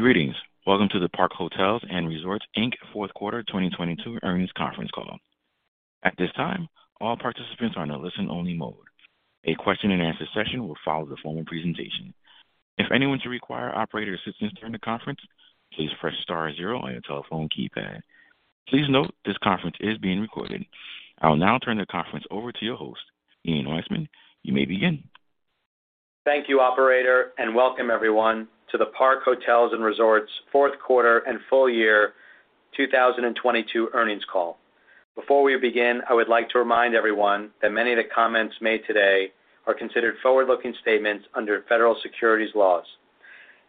Greetings. Welcome to the Park Hotels & Resorts Inc Fourth Quarter 2022 Earnings Conference Call. At this time, all participants are in a listen-only mode. A question-and-answer session will follow the formal presentation. If anyone should require operator assistance during the conference, please press star zero on your telephone keypad. Please note this conference is being recorded. I will now turn the conference over to your host, Ian Weissman. You may begin. Thank you, operator, and welcome everyone to the Park Hotels & Resorts Fourth Quarter and Full Year 2022 Earnings Call. Before we begin, I would like to remind everyone that many of the comments made today are considered forward-looking statements under federal securities laws.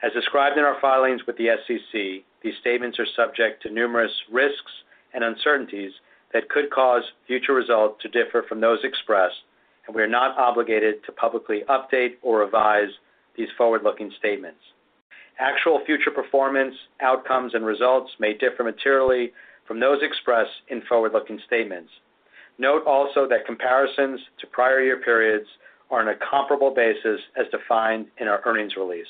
As described in our filings with the SEC, these statements are subject to numerous risks and uncertainties that could cause future results to differ from those expressed, and we are not obligated to publicly update or revise these forward-looking statements. Actual future performance, outcomes, and results may differ materially from those expressed in forward-looking statements. Note also that comparisons to prior year periods are on a comparable basis as defined in our earnings release.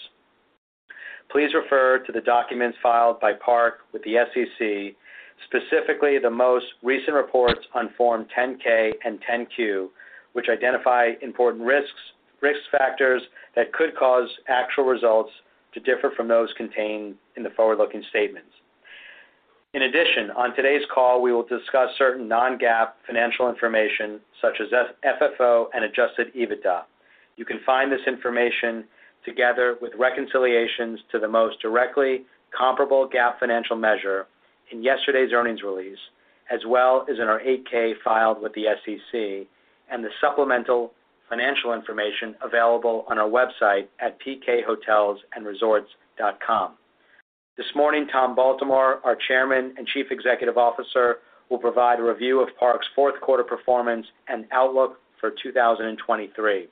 Please refer to the documents filed by Park with the SEC, specifically the most recent reports on Form 10-K and Form 10-Q, which identify important risks, risk factors that could cause actual results to differ from those contained in the forward-looking statements. On today's call, we will discuss certain non-GAAP financial information such as FFO and adjusted EBITDA. You can find this information together with reconciliations to the most directly comparable GAAP financial measure in yesterday's earnings release, as well as in our 8-K filed with the SEC and the supplemental financial information available on our website at pkhotelsandresorts.com. This morning, Tom Baltimore, our Chairman and Chief Executive Officer, will provide a review of Park's fourth quarter performance and outlook for 2023.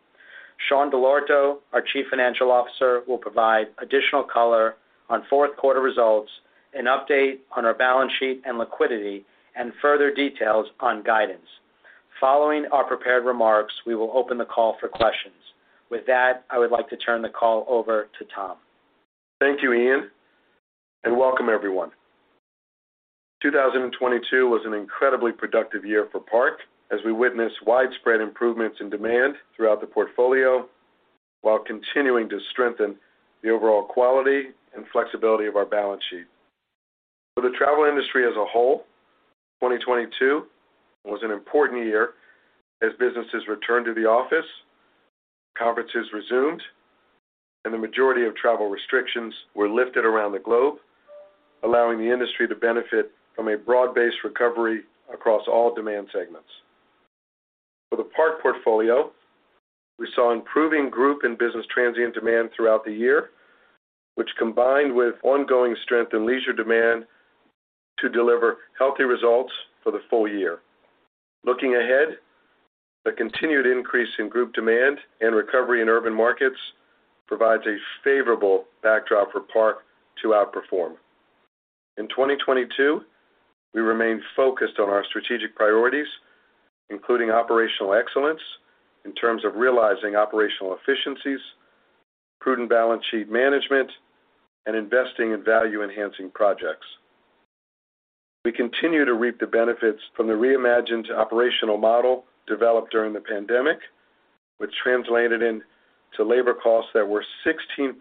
Sean Dell'Orto, our Chief Financial Officer, will provide additional color on fourth quarter results and update on our balance sheet and liquidity and further details on guidance. Following our prepared remarks, we will open the call for questions. With that, I would like to turn the call over to Tom. Thank you, Ian, and welcome everyone. 2022 was an incredibly productive year for Park as we witnessed widespread improvements in demand throughout the portfolio while continuing to strengthen the overall quality and flexibility of our balance sheet. For the travel industry as a whole, 2022 was an important year as businesses returned to the office, conferences resumed, and the majority of travel restrictions were lifted around the globe, allowing the industry to benefit from a broad-based recovery across all demand segments. For the Park portfolio, we saw improving group and business transient demand throughout the year, which combined with ongoing strength in leisure demand to deliver healthy results for the full year. Looking ahead, the continued increase in group demand and recovery in urban markets provides a favorable backdrop for Park to outperform. In 2022, we remained focused on our strategic priorities, including operational excellence in terms of realizing operational efficiencies, prudent balance sheet management, and investing in value-enhancing projects. We continue to reap the benefits from the reimagined operational model developed during the pandemic, which translated into labor costs that were 16%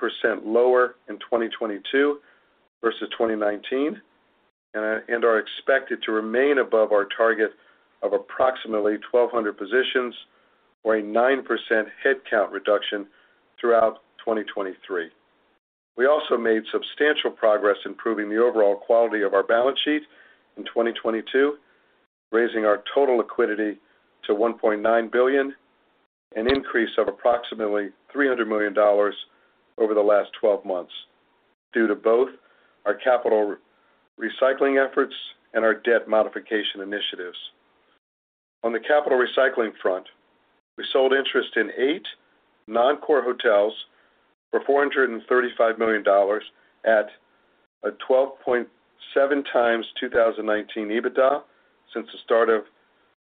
lower in 2022 versus 2019 and are expected to remain above our target of approximately 1,200 positions or a 9% headcount reduction throughout 2023. We also made substantial progress improving the overall quality of our balance sheet in 2022, raising our total liquidity to $1.9 billion, an increase of approximately $300 million over the last 12 months, due to both our capital recycling efforts and our debt modification initiatives. On the capital recycling front, we sold interest in eight non-core hotels for $435 million at a 12.7x 2019 EBITDA since the start of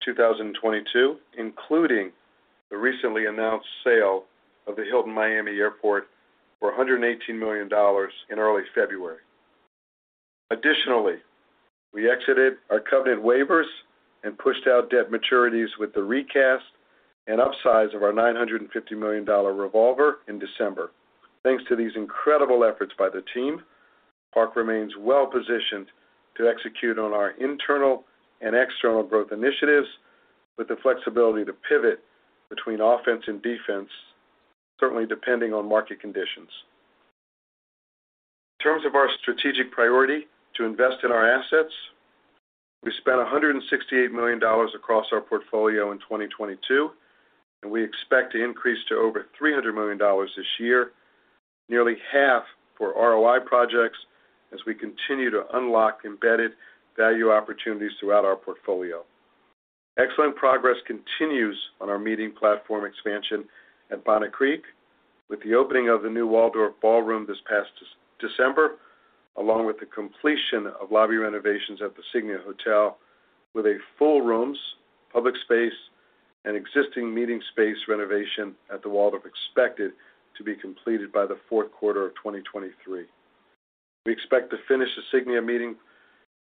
2022, including the recently announced sale of the Hilton Miami Airport for $118 million in early February. Additionally, we exited our covenant waivers and pushed out debt maturities with the recast and upsize of our $950 million revolver in December. Thanks to these incredible efforts by the team, Park remains well-positioned to execute on our internal and external growth initiatives with the flexibility to pivot between offense and defense, certainly depending on market conditions. In terms of our strategic priority to invest in our assets, we spent $168 million across our portfolio in 2022, and we expect to increase to over $300 million this year, nearly half for ROI projects as we continue to unlock embedded value opportunities throughout our portfolio. Excellent progress continues on our meeting platform expansion at Bonnet Creek with the opening of the new Waldorf Ballroom this past December, along with the completion of lobby renovations at the Signia Hotel with a full rooms, public space, an existing meeting space renovation at The Waldorf expected to be completed by the fourth quarter of 2023. We expect to finish the Signia meeting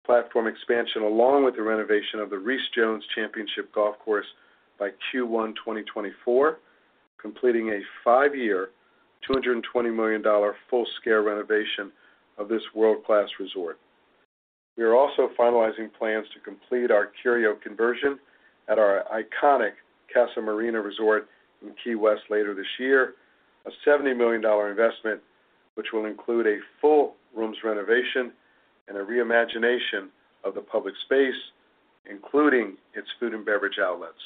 platform expansion along with the renovation of the Rees Jones Championship Golf Course by Q1 2024, completing a 5-year, $220 million full-scale renovation of this world-class resort. We are also finalizing plans to complete our Curio conversion at our iconic Casa Marina Resort in Key West later this year, a $70 million investment which will include a full rooms renovation and a reimagination of the public space, including its food and beverage outlets.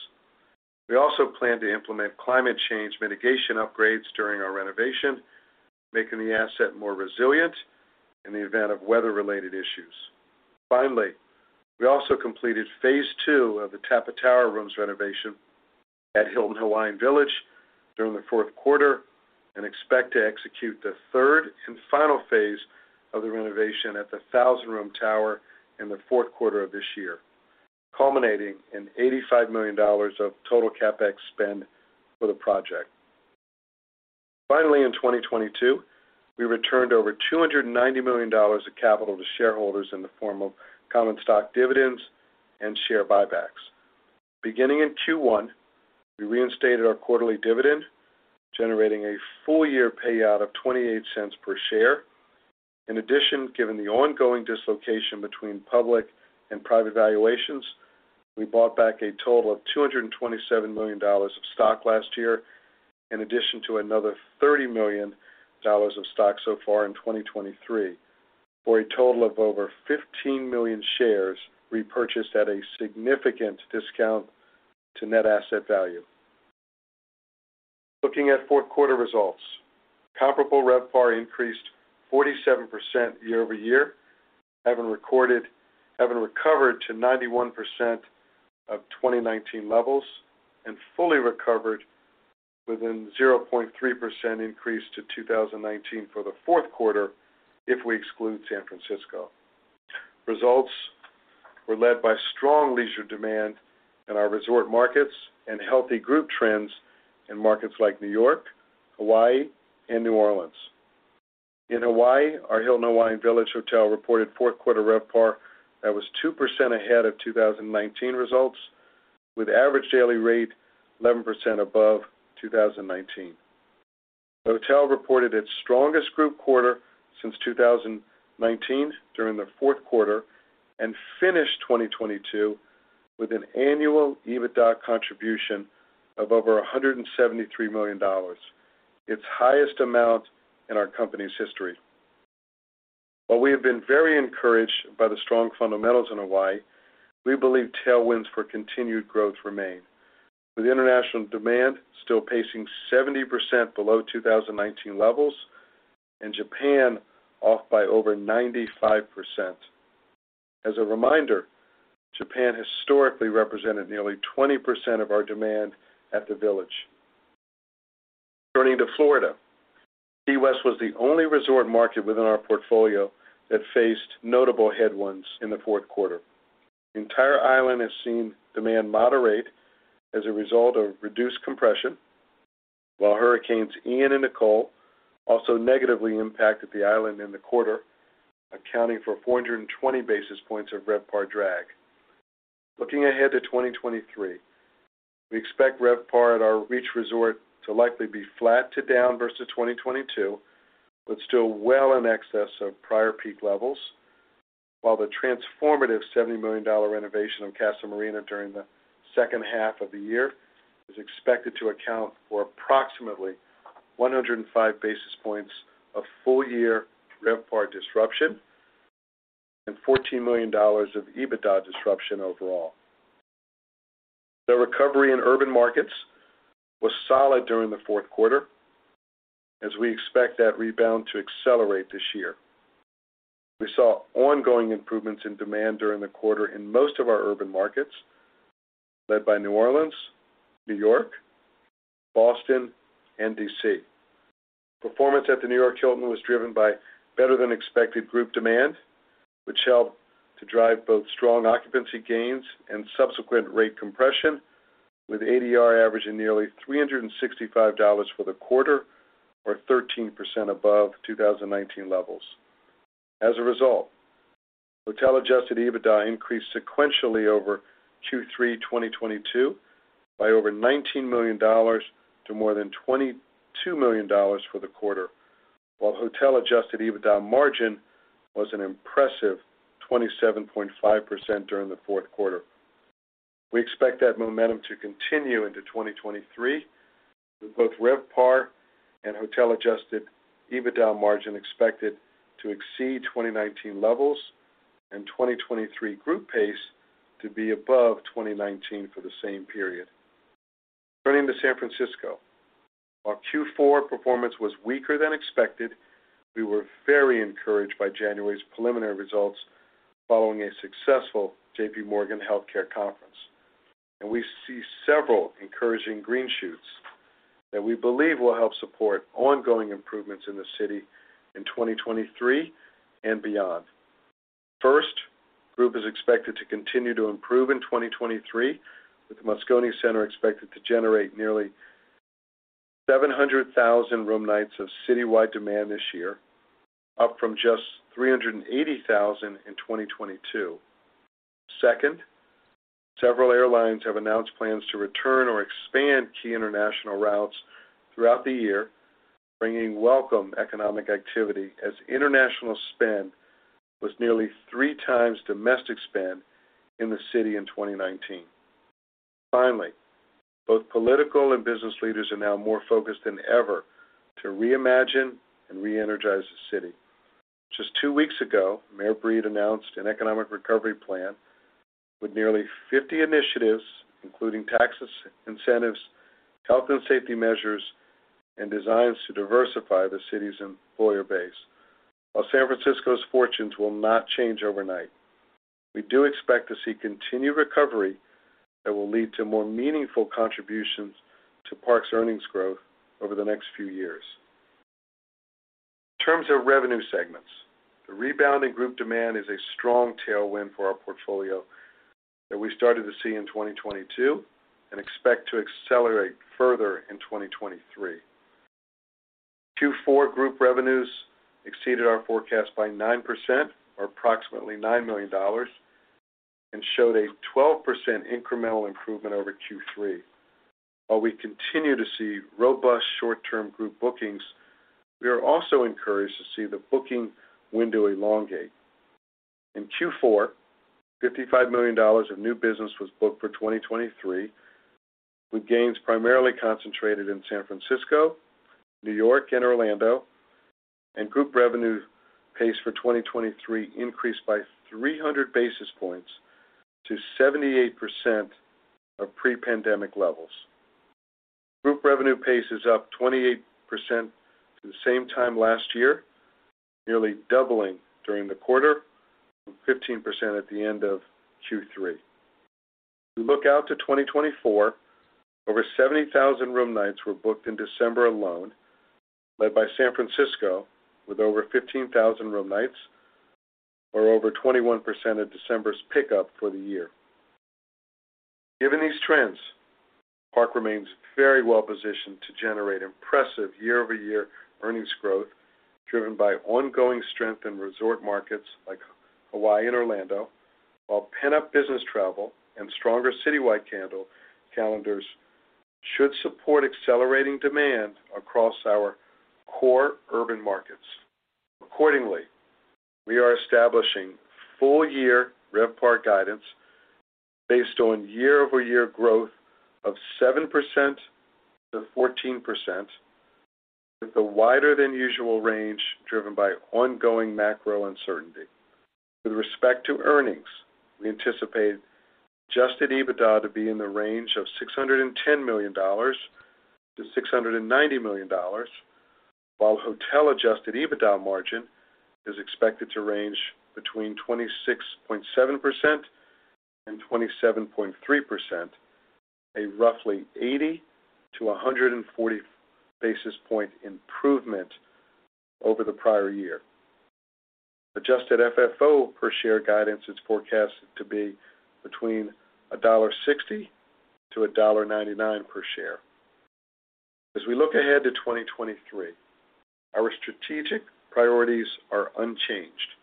We also plan to implement climate change mitigation upgrades during our renovation, making the asset more resilient in the event of weather-related issues. Finally, we also completed phase two of the Tapa Tower rooms renovation at Hilton Hawaiian Village during the fourth quarter and expect to execute the third and final phase of the renovation at the 1,000-room tower in the fourth quarter of this year, culminating in $85 million of total CapEx spend for the project. Finally, in 2022, we returned over $290 million of capital to shareholders in the form of common stock dividends and share buybacks. Beginning in Q1, we reinstated our quarterly dividend, generating a full year payout of $0.28 per share. In addition, given the ongoing dislocation between public and private valuations, we bought back a total of $227 million of stock last year, in addition to another $30 million of stock so far in 2023, for a total of over 15 million shares repurchased at a significant discount to net asset value. Looking at fourth quarter results, comparable RevPAR increased 47% year-over-year, having recovered to 91% of 2019 levels and fully recovered within 0.3% increase to 2019 for the fourth quarter if we exclude San Francisco. Results were led by strong leisure demand in our resort markets and healthy group trends in markets like New York, Hawaii, and New Orleans. In Hawaii, our Hilton Hawaiian Village hotel reported fourth quarter RevPAR that was 2% ahead of 2019 results, with average daily rate 11% above 2019. The hotel reported its strongest group quarter since 2019 during the fourth quarter and finished 2022 with an annual EBITDA contribution of over $173 million, its highest amount in our company's history. We have been very encouraged by the strong fundamentals in Hawaii, we believe tailwinds for continued growth remain, with international demand still pacing 70% below 2019 levels and Japan off by over 95%. As a reminder, Japan historically represented nearly 20% of our demand at the Village. Turning to Florida, Key West was the only resort market within our portfolio that faced notable headwinds in the fourth quarter. The entire island has seen demand moderate as a result of reduced compression, while Hurricanes Ian and Nicole also negatively impacted the island in the quarter, accounting for 420 basis points of RevPAR drag. Looking ahead to 2023, we expect RevPAR at our Reach Resort to likely be flat to down versus 2022, but still well in excess of prior peak levels, while the transformative $70 million renovation of Casa Marina during the second half of the year is expected to account for approximately 105 basis points of full-year RevPAR disruption and $14 million of EBITDA disruption overall. The recovery in urban markets was solid during the fourth quarter, as we expect that rebound to accelerate this year. We saw ongoing improvements in demand during the quarter in most of our urban markets, led by New Orleans, New York, Boston, and D.C. Performance at the New York Hilton was driven by better than expected group demand, which helped to drive both strong occupancy gains and subsequent rate compression, with ADR averaging nearly $365 for the quarter, or 13% above 2019 levels. Hotel adjusted EBITDA increased sequentially over Q3 2022 by over $19 million to more than $22 million for the quarter, while hotel adjusted EBITDA margin was an impressive 27.5% during the fourth quarter. We expect that momentum to continue into 2023, with both RevPAR and hotel adjusted EBITDA margin expected to exceed 2019 levels and 2023 group pace to be above 2019 for the same period. Turning to San Francisco, while Q4 performance was weaker than expected, we were very encouraged by January's preliminary results following a successful JPMorgan Healthcare Conference. We see several encouraging green shoots that we believe will help support ongoing improvements in the city in 2023 and beyond. First, group is expected to continue to improve in 2023, with the Moscone Center expected to generate nearly 700,000 room nights of citywide demand this year, up from just 380,000 in 2022. Second, several airlines have announced plans to return or expand key international routes throughout the year, bringing welcome economic activity as international spend was nearly 3x domestic spend in the city in 2019. Finally, both political and business leaders are now more focused than ever to reimagine and re-energize the city. Just two weeks ago, Mayor Breed announced an economic recovery plan with nearly 50 initiatives, including taxes, incentives, health and safety measures, and designs to diversify the city's employer base. While San Francisco's fortunes will not change overnight, we do expect to see continued recovery that will lead to more meaningful contributions to Park's earnings growth over the next few years. In terms of revenue segments, the rebound in group demand is a strong tailwind for our portfolio that we started to see in 2022 and expect to accelerate further in 2023. Q4 group revenues exceeded our forecast by 9% or approximately $9 million, and showed a 12% incremental improvement over Q3. While we continue to see robust short-term group bookings, we are also encouraged to see the booking window elongate. In Q4, $55 million of new business was booked for 2023, with gains primarily concentrated in San Francisco, New York and Orlando. Group revenue pace for 2023 increased by 300 basis points to 78% of pre-pandemic levels. Group revenue pace is up 28% to the same time last year, nearly doubling during the quarter, from 15% at the end of Q3. We look out to 2024. Over 70,000 room nights were booked in December alone, led by San Francisco with over 15,000 room nights, or over 21% of December's pickup for the year. Given these trends, Park remains very well positioned to generate impressive year-over-year earnings growth, driven by ongoing strength in resort markets like Hawaii and Orlando. While pent-up business travel and stronger citywide calendars should support accelerating demand across our core urban markets. Accordingly, we are establishing full-year RevPAR guidance based on year-over-year growth of 7%-14%, with a wider-than-usual range driven by ongoing macro uncertainty. With respect to earnings, we anticipate adjusted EBITDA to be in the range of $610 million to $690 million, while hotel adjusted EBITDA margin is expected to range between 26.7% and 27.3%, a roughly 80-140 basis point improvement over the prior year. Adjusted FFO per share guidance is forecasted to be between $1.60-$1.99 per share. As we look ahead to 2023, our strategic priorities are unchanged.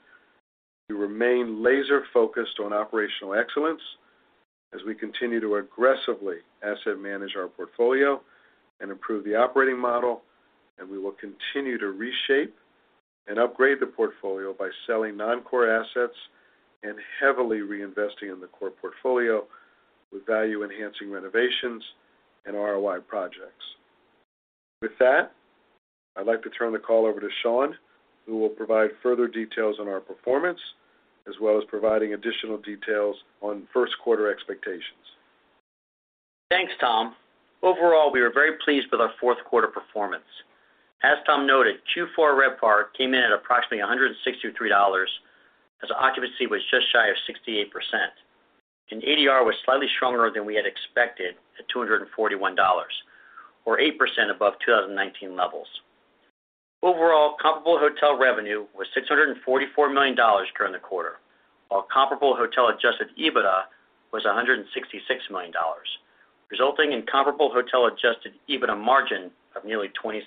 We remain laser-focused on operational excellence as we continue to aggressively asset-manage our portfolio and improve the operating model. We will continue to reshape and upgrade the portfolio by selling non-core assets and heavily reinvesting in the core portfolio with value-enhancing renovations and ROI projects. With that, I'd like to turn the call over to Sean, who will provide further details on our performance as well as providing additional details on first quarter expectations. Thanks, Tom. Overall, we are very pleased with our fourth quarter performance. As Tom noted, Q4 RevPAR came in at approximately $163 as occupancy was just shy of 68% and ADR was slightly stronger than we had expected at $241 or $8 above 2019 levels. Overall, comparable hotel revenue was $644 million during the quarter, while comparable hotel adjusted EBITDA was $166 million, resulting in comparable hotel adjusted EBITDA margin of nearly 26%.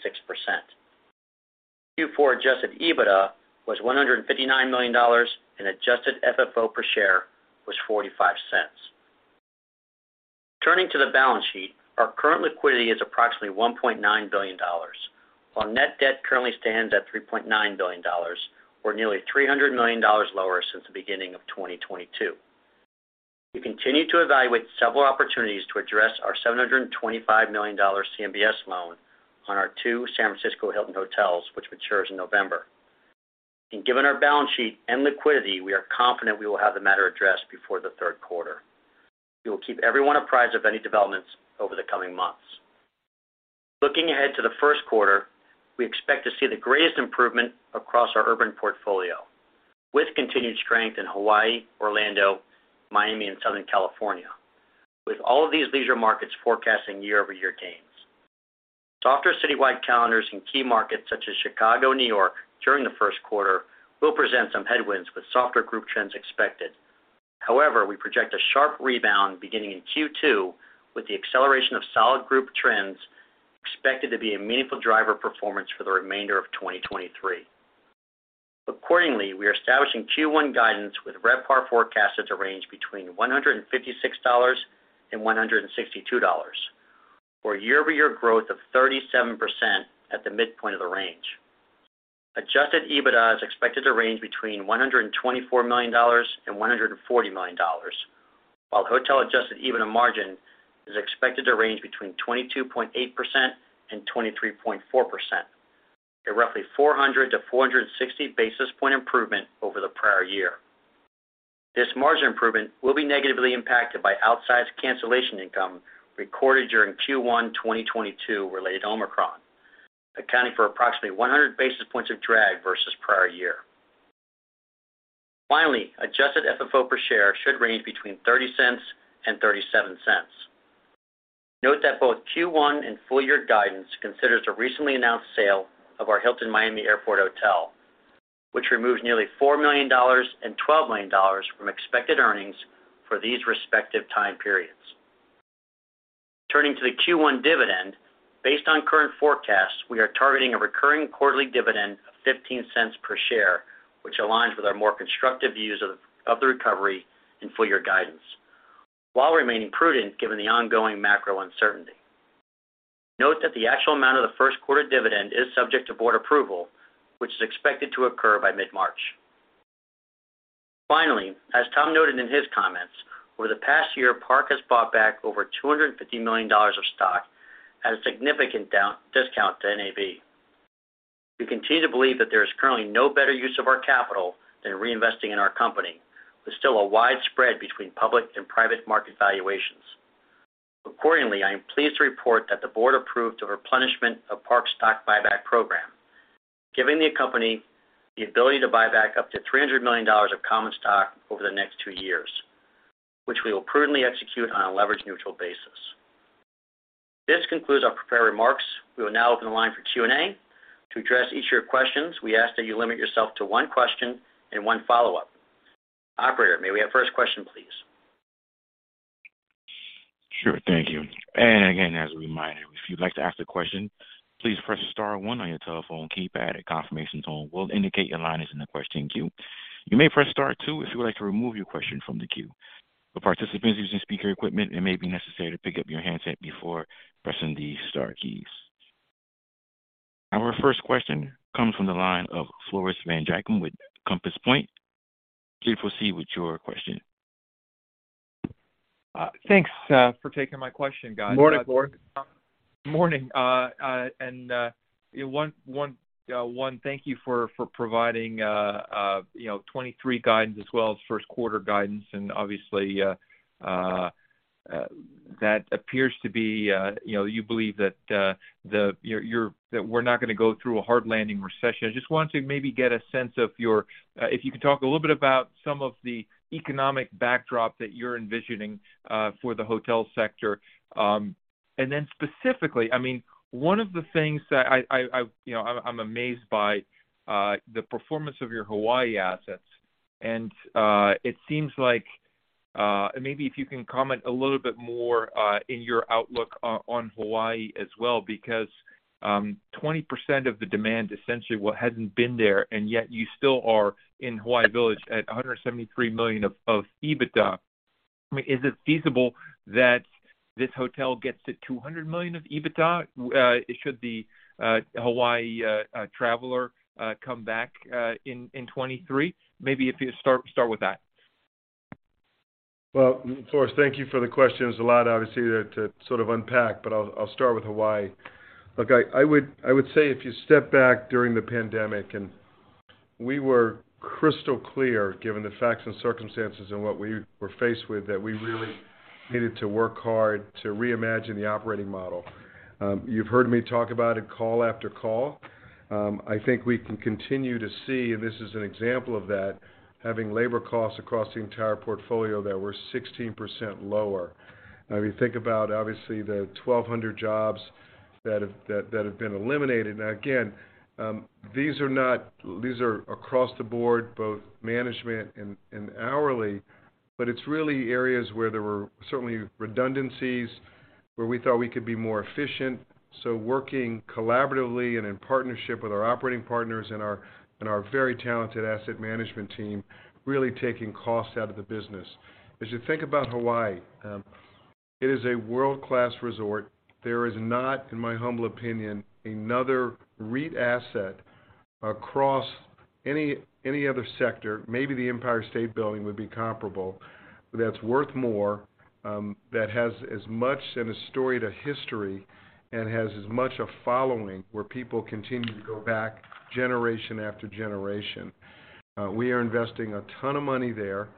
Q4 adjusted EBITDA was $159 million, and adjusted FFO per share was $0.45. Turning to the balance sheet, our current liquidity is approximately $1.9 billion, while net debt currently stands at $3.9 billion, or nearly $300 million lower since the beginning of 2022. We continue to evaluate several opportunities to address our $725 million CMBS loan on our two Hilton San Francisco Hotels, which matures in November. Given our balance sheet and liquidity, we are confident we will have the matter addressed before the third quarter. We will keep everyone apprised of any developments over the coming months. Looking ahead to the first quarter, we expect to see the greatest improvement across our urban portfolio with continued strength in Hawaii, Orlando, Miami, and Southern California, with all of these leisure markets forecasting year-over-year gains. Softer citywide calendars in key markets such as Chicago, New York during the first quarter will present some headwinds with softer group trends expected. However, we project a sharp rebound beginning in Q2 with the acceleration of solid group trends expected to be a meaningful driver performance for the remainder of 2023. Accordingly, we are establishing Q1 guidance with RevPAR forecast at a range between $156 and $162, for year-over-year growth of 37% at the midpoint of the range. Adjusted EBITDA is expected to range between $124 million and $140 million, while hotel adjusted EBITDA margin is expected to range between 22.8% and 23.4% at roughly 400 to 460 basis point improvement over the prior year. This margin improvement will be negatively impacted by outsized cancellation income recorded during Q1 2022 related to Omicron, accounting for approximately 100 basis points of drag versus prior year. Finally, adjusted FFO per share should range between $0.30 and $0.37. Note that both Q1 and full year guidance considers the recently announced sale of our Hilton Miami Airport Hotel, which removes nearly $4 million and $12 million from expected earnings for these respective time periods. Turning to the Q1 dividend, based on current forecasts, we are targeting a recurring quarterly dividend of $0.15 per share, which aligns with our more constructive views of the recovery in full year guidance, while remaining prudent given the ongoing macro uncertainty. Note that the actual amount of the first quarter dividend is subject to board approval, which is expected to occur by mid-March. Finally, as Tom noted in his comments, over the past year, Park has bought back over $250 million of stock at a significant discount to NAV. We continue to believe that there is currently no better use of our capital than reinvesting in our company. There's still a wide spread between public and private market valuations. Accordingly, I am pleased to report that the board approved a replenishment of Park's stock buyback program, giving the company the ability to buy-back up to $300 million of common stock over the next two years, which we will prudently execute on a leverage-neutral basis. This concludes our prepared remarks. We will now open the line for Q&A. To address each of your questions, we ask that you limit yourself to one question and one follow-up. Operator, may we have first question, please? Again, as a reminder, if you'd like to ask a question, please press star one on your telephone keypad. A confirmation tone will indicate your line is in the question queue. You may press star two if you would like to remove your question from the queue. For participants using speaker equipment, it may be necessary to pick up your handset before pressing the star keys. Our first question comes from the line of Floris van Dijkum with Compass Point. Please proceed with your question. Thanks for taking my question, guys. Morning, Floris. Morning. Thank you for providing '23 guidance as well as first quarter guidance. Obviously, that appears to be, you know, you believe that we're not gonna go through a hard landing recession. I just want to maybe get a sense of, if you could talk a little bit about some of the economic backdrop that you're envisioning, for the hotel sector. Then specifically, I mean, one of the things that I'm amazed by, the performance of your Hawaii assets. It seems like maybe if you can comment a little bit more in your outlook on Hawaii as well, because 20% of the demand, essentially what hadn't been there, and yet you still are in Hawaii Village at $173 million of EBITDA. I mean, is it feasible that this hotel gets to $200 million of EBITDA, should the Hawaii traveler come back in 2023? Maybe if you start with that. Floris, thank you for the question. There's a lot obviously to sort of unpack, but I'll start with Hawaii. Look, I would, I would say if you step back during the pandemic and we were crystal clear, given the facts and circumstances and what we were faced with, that we really needed to work hard to reimagine the operating model. You've heard me talk about it call after call. I think we can continue to see, and this is an example of that, having labor costs across the entire portfolio that were 16% lower. If you think about obviously the 1,200 jobs that have been eliminated. Again, these are across the board, both management and hourly, it's really areas where there were certainly redundancies where we thought we could be more efficient. Working collaboratively and in partnership with our operating partners and our very talented asset management team, really taking costs out of the business. As you think about Hawaii, it is a world-class resort. There is not, in my humble opinion, another REIT asset across any other sector, maybe the Empire State Building would be comparable, that's worth more, that has as much in a storied history and has as much a following where people continue to go back generation after generation. We are investing a ton of money there.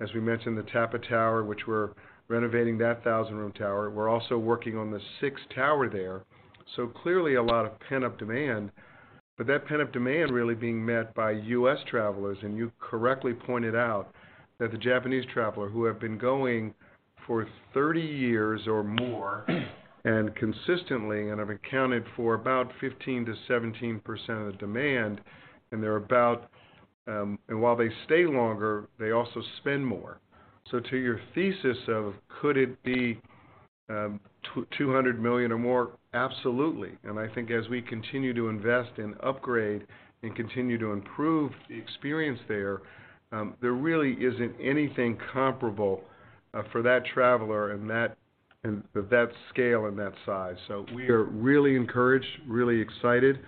As we mentioned, the Tapa Tower, which we're renovating that 1,000 room tower. We're also working on the sixth tower there. Clearly a lot of pent-up demand. But that kind of demand really being met by U.S. travelers, and you correctly pointed out that the Japanese traveler who have been going for 30 years or more and consistently and have accounted for about 15%-17% of the demand, and they're about. While they stay longer, they also spend more. To your thesis of could it be $200 million or more? Absolutely. I think as we continue to invest and upgrade and continue to improve the experience there really isn't anything comparable for that traveler and with that scale and that size. We are really encouraged, really excited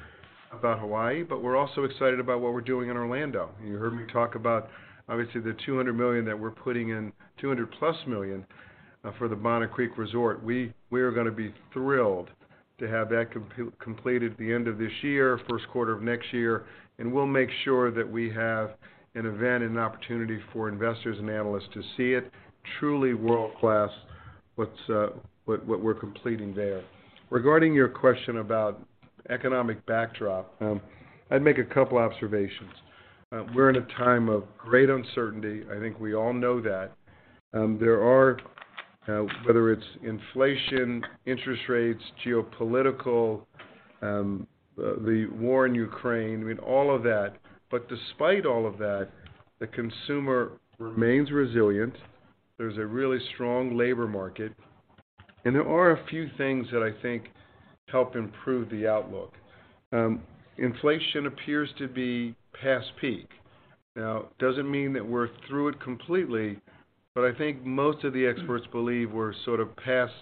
about Hawaii, but we're also excited about what we're doing in Orlando. You heard me talk about, obviously, the $200 million that we're putting in, $200+ million, for the Bonnet Creek Resort. We're gonna be thrilled to have that completed at the end of this year, 1st quarter of next year, and we'll make sure that we have an event and an opportunity for investors and analysts to see it. Truly world-class, what's what we're completing there. Regarding your question about economic backdrop, I'd make a couple observations. We're in a time of great uncertainty. I think we all know that. There are, whether it's inflation, interest rates, geopolitical, the War in Ukraine, I mean, all of that. Despite all of that, the consumer remains resilient. There's a really strong labor market. There are a few things that I think help improve the outlook. Inflation appears to be past peak. Now, doesn't mean that we're through it completely, but I think most of the experts believe we're sort of past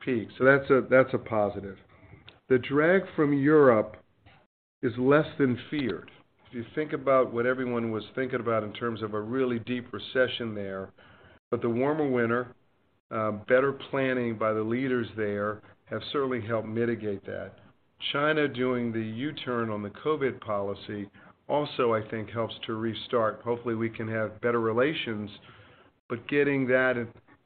peak. That's a positive. The drag from Europe is less than feared. If you think about what everyone was thinking about in terms of a really deep recession there, the warmer winter, better planning by the leaders there have certainly helped mitigate that. China doing the U-turn on the COVID policy also, I think, helps to restart. Hopefully, we can have better relations, getting that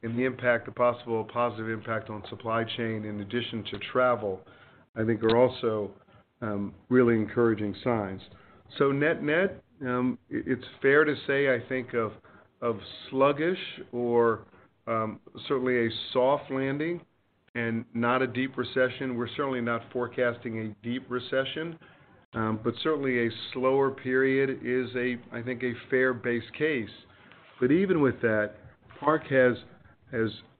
and the impact, the possible positive impact on supply chain in addition to travel, I think are also really encouraging signs. Net-net, it's fair to say, I think of sluggish or certainly a soft landing and not a deep recession. We're certainly not forecasting a deep recession, but certainly a slower period is a fair base case. Even with that, Park has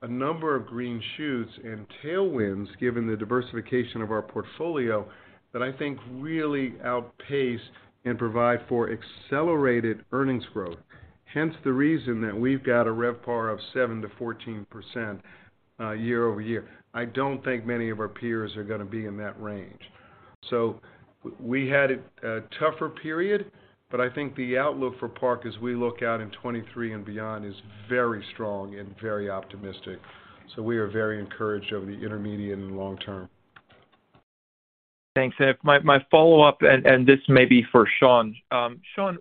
a number of green shoots and tailwinds, given the diversification of our portfolio, that I think really outpace and provide for accelerated earnings growth. Hence, the reason that we've got a RevPAR of 7%-14% year-over-year. I don't think many of our peers are gonna be in that range. we had a tougher period, but I think the outlook for Park as we look out in 2023 and beyond is very strong and very optimistic. We are very encouraged over the intermediate and long term. Thanks. My follow-up, this may be for Sean. Sean,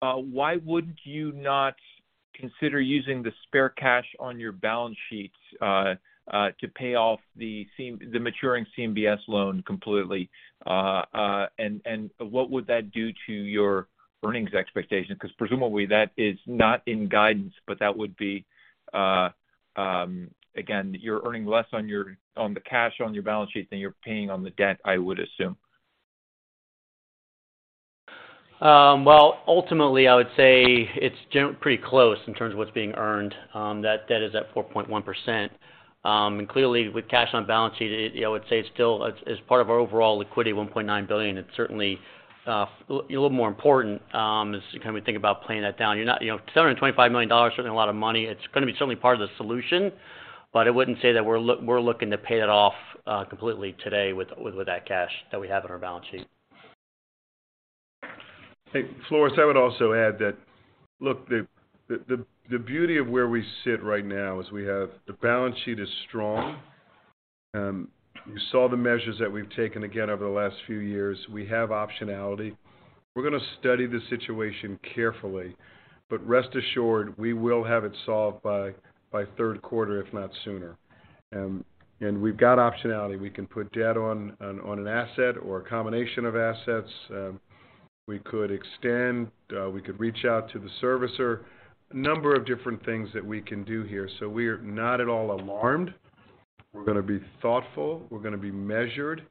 why would you not consider using the spare cash on your balance sheets to pay off the maturing CMBS loan completely? What would that do to your earnings expectations? 'Cause presumably, that is not in guidance, but that would be, again, you're earning less on the cash on your balance sheet than you're paying on the debt, I would assume. Well, ultimately, I would say it's pretty close in terms of what's being earned. That debt is at 4.1%. Clearly, with cash on balance sheet, you know, I would say it's still, as part of our overall liquidity, $1.9 billion, it's certainly a little more important, as we kind of think about paying that down. You're not, you know, $725 million is certainly a lot of money. It's gonna be certainly part of the solution, I wouldn't say that we're looking to pay that off completely today with that cash that we have on our balance sheet. Hey, Floris, I would also add that, look, the beauty of where we sit right now is we have the balance sheet is strong. You saw the measures that we've taken again over the last few years. We have optionality. We're gonna study the situation carefully, but rest assured, we will have it solved by third quarter, if not sooner. We've got optionality. We can put debt on an asset or a combination of assets. We could extend, we could reach out to the servicer. A number of different things that we can do here. We're not at all alarmed. We're gonna be thoughtful, we're gonna be measured,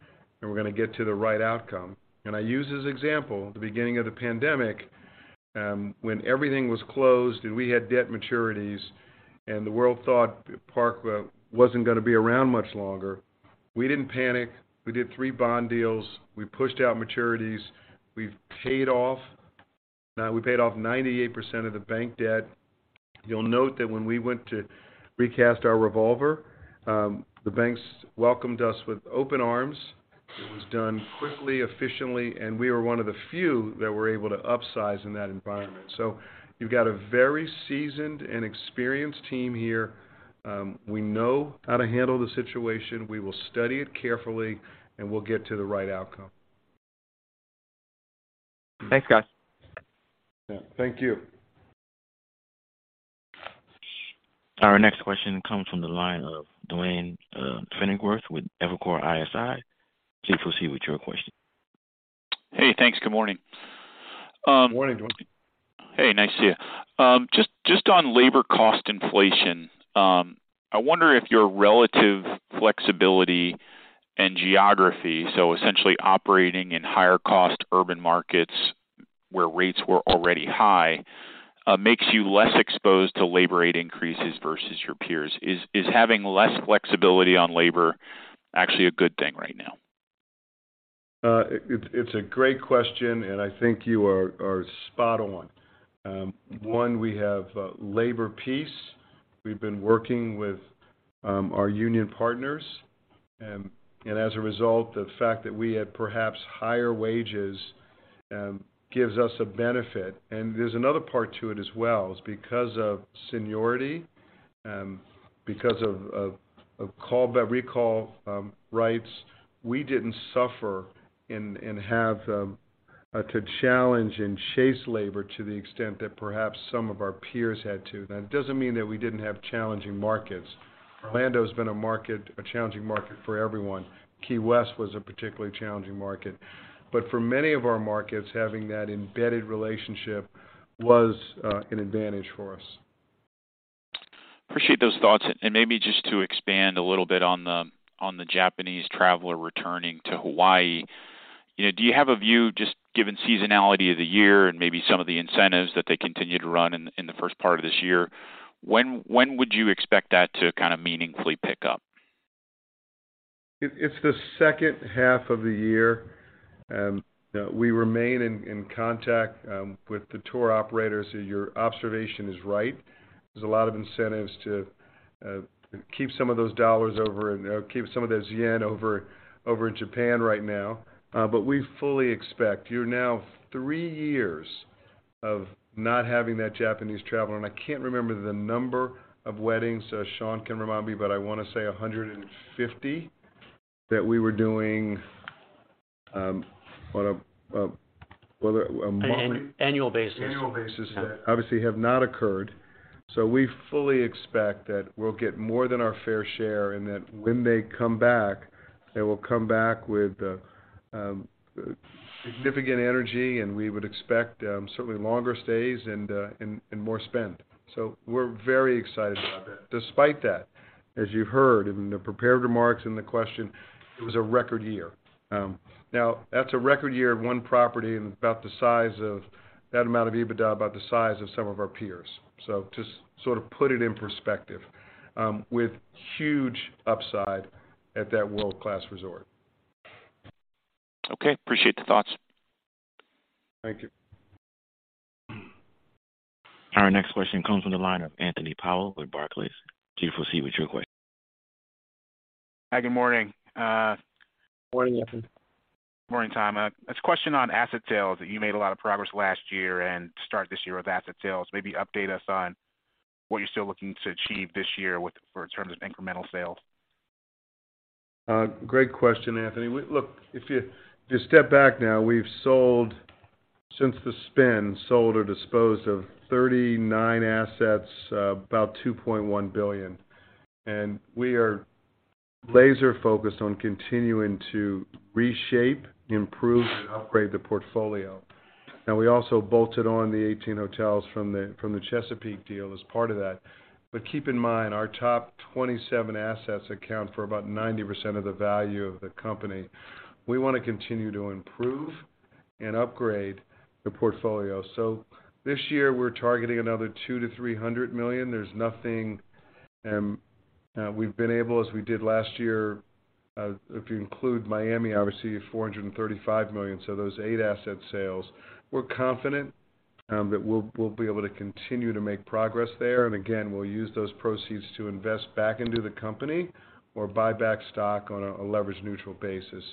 and we're gonna get to the right outcome. I use as example, the beginning of the pandemic, when everything was closed and we had debt maturities and the world thought Park wasn't gonna be around much longer. We didn't panic. We did 3 bond deals. We pushed out maturities. We paid off 98% of the bank debt. You'll note that when we went to recast our revolver, the banks welcomed us with open arms. It was done quickly, efficiently, and we were one of the few that were able to upsize in that environment. You've got a very seasoned and experienced team here. We know how to handle the situation. We will study it carefully, and we'll get to the right outcome. Thanks, guys. Yeah. Thank you. Our next question comes from the line of Duane Pfennigwerth with Evercore ISI. Please proceed with your question. Hey, thanks. Good morning. Good morning, Duane. Hey, nice to see you. Just on labor cost inflation, I wonder if your relative flexibility and geography, so essentially operating in higher cost urban markets where rates were already high, makes you less exposed to labor rate increases versus your peers. Is having less flexibility on labor actually a good thing right now? It's a great question, and I think you are spot on. One, we have a labor peace. We've been working with our union partners. As a result, the fact that we have perhaps higher wages gives us a benefit. There's another part to it as well is because of seniority, because of call back recall rights, we didn't suffer and have to challenge and chase labor to the extent that perhaps some of our peers had to. That doesn't mean that we didn't have challenging markets. Orlando has been a challenging market for everyone. Key West was a particularly challenging market. For many of our markets, having that embedded relationship was an advantage for us. Appreciate those thoughts. Maybe just to expand a little bit on the Japanese traveler returning to Hawaii, you know, do you have a view just given seasonality of the year and maybe some of the incentives that they continue to run in the first part of this year, when would you expect that to kind of meaningfully pick up? It's the second half of the year. We remain in contact with the tour operators. Your observation is right. There's a lot of incentives to keep some of those dollars over and keep some of those yen over in Japan right now. We fully expect. You're now three years of not having that Japanese travel. I can't remember the number of weddings, Sean can remind me, but I wanna say 150 that we were doing on a month- Annual basis. Annual basis that obviously have not occurred. We fully expect that we'll get more than our fair share, and that when they come back, they will come back with significant energy, and we would expect certainly longer stays and more spend. We're very excited about that. Despite that, as you heard in the prepared remarks and the question, it was a record year. Now that's a record year of one property and about the size of that amount of EBITDA, about the size of some of our peers. Just sort of put it in perspective, with huge upside at that world-class resort. Okay. Appreciate the thoughts. Thank you. Our next question comes from the line of Anthony Powell with Barclays. Please proceed with your question. Hi, good morning. Morning, Anthony. Morning, Tom. A question on asset sales. You made a lot of progress last year and to start this year with asset sales. Maybe update us on what you're still looking to achieve this year in terms of incremental sales? Great question, Anthony. Look, if you step back now, we've sold since the spin, sold or disposed of 39 assets, about $2.1 billion. We are laser-focused on continuing to reshape, improve, and upgrade the portfolio. Now, we also bolted on the 18 hotels from the Chesapeake deal as part of that. Keep in mind, our top 27 assets account for about 90% of the value of the company. We wanna continue to improve and upgrade the portfolio. This year, we're targeting another $200 million to $300 million. There's nothing we've been able as we did last year, if you include Miami, obviously $435 million. Those 8 asset sales, we're confident that we'll be able to continue to make progress there. Again, we'll use those proceeds to invest back into the company or buy back stock on a leverage neutral basis.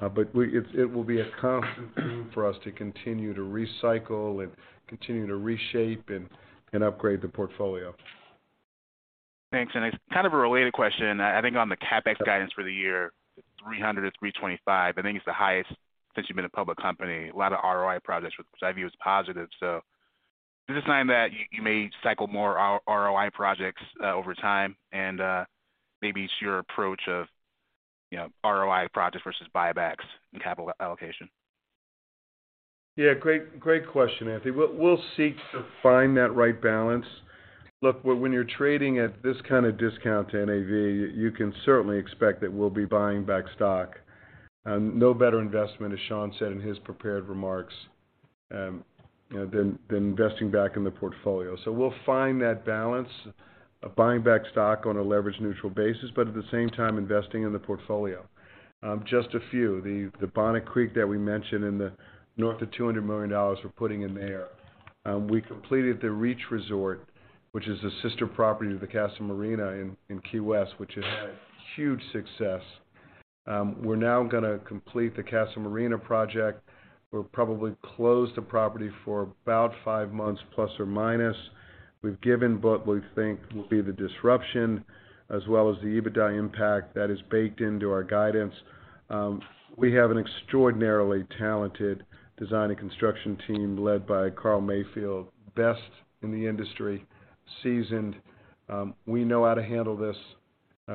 It will be a constant for us to continue to recycle and continue to reshape and upgrade the portfolio. Thanks. It's kind of a related question. I think on the CapEx guidance for the year, $300 million to $325 million, I think it's the highest since you've been a public company. A lot of ROI projects which I view as positive. Is this something that you may cycle more ROI projects over time and maybe it's your approach of ROI projects versus buybacks and capital allocation? Great question, Anthony. We'll seek to find that right balance. When you're trading at this kind of discount to NAV, you can certainly expect that we'll be buying back stock. No better investment, as Sean said in his prepared remarks, than investing back in the portfolio. We'll find that balance of buying back stock on a leverage-neutral basis, but at the same time investing in the portfolio. Just a few, the Bonnet Creek that we mentioned north of $200 million we're putting in there. We completed The Reach Resort, which is a sister property to the Casa Marina in Key West, which has had huge success. We're now gonna complete the Casa Marina project. We'll probably close the property for about 5 months±. We've given what we think will be the disruption as well as the EBITDA impact that is baked into our guidance. We have an extraordinarily talented design and construction team led by Carl Mayfield, best in the industry, seasoned. We know how to handle this.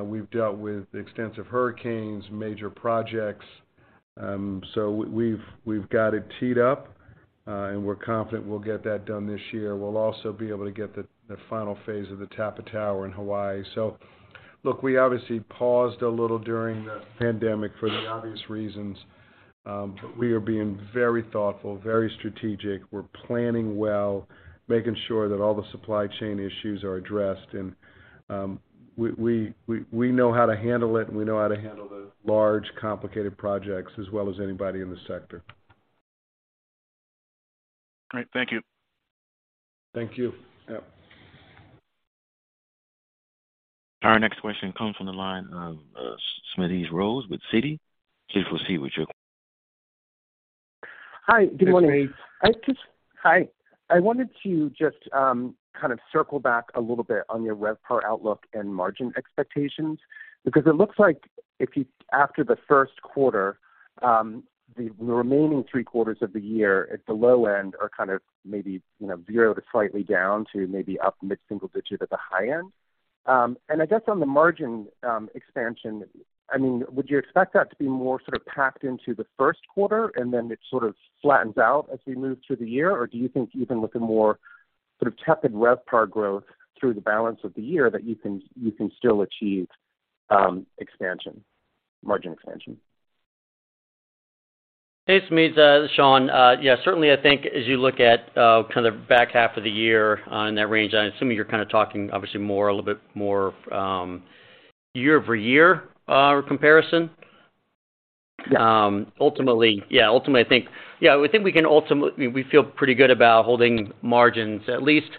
We've dealt with extensive hurricanes, major projects. We've got it teed up, and we're confident we'll get that done this year. We'll also be able to get the final phase of the Tapa Tower in Hawaii. Look, we obviously paused a little during the pandemic for the obvious reasons, but we are being very thoughtful, very strategic. We're planning well, making sure that all the supply chain issues are addressed. We know how to handle it, and we know how to handle the large, complicated projects as well as anybody in this sector. Great. Thank you. Thank you. Yep. Our next question comes from the line of Smedes Rose with Citi. Please proceed with your question. Hi. Good morning. Hi, Smedes. Hi. I wanted to just kind of circle back a little bit on your RevPAR outlook and margin expectations. It looks like after the first quarter, the remaining three quarters of the year at the low end are kind of maybe zero to slightly down to maybe up mid-single digit at the high end. I guess on the margin, expansion, I mean, would you expect that to be more sort of packed into the first quarter, and then it sort of flattens out as we move through the year? Do you think even with a more sort of tepid RevPAR growth through the balance of the year that you can still achieve, expansion, margin expansion? Hey, Smedes. This is Sean. Certainly, I think as you look at kind of back half of the year, in that range, I'm assuming you're kind of talking obviously more, a little bit more, year-over-year comparison. Ultimately, we feel pretty good about holding margins at least,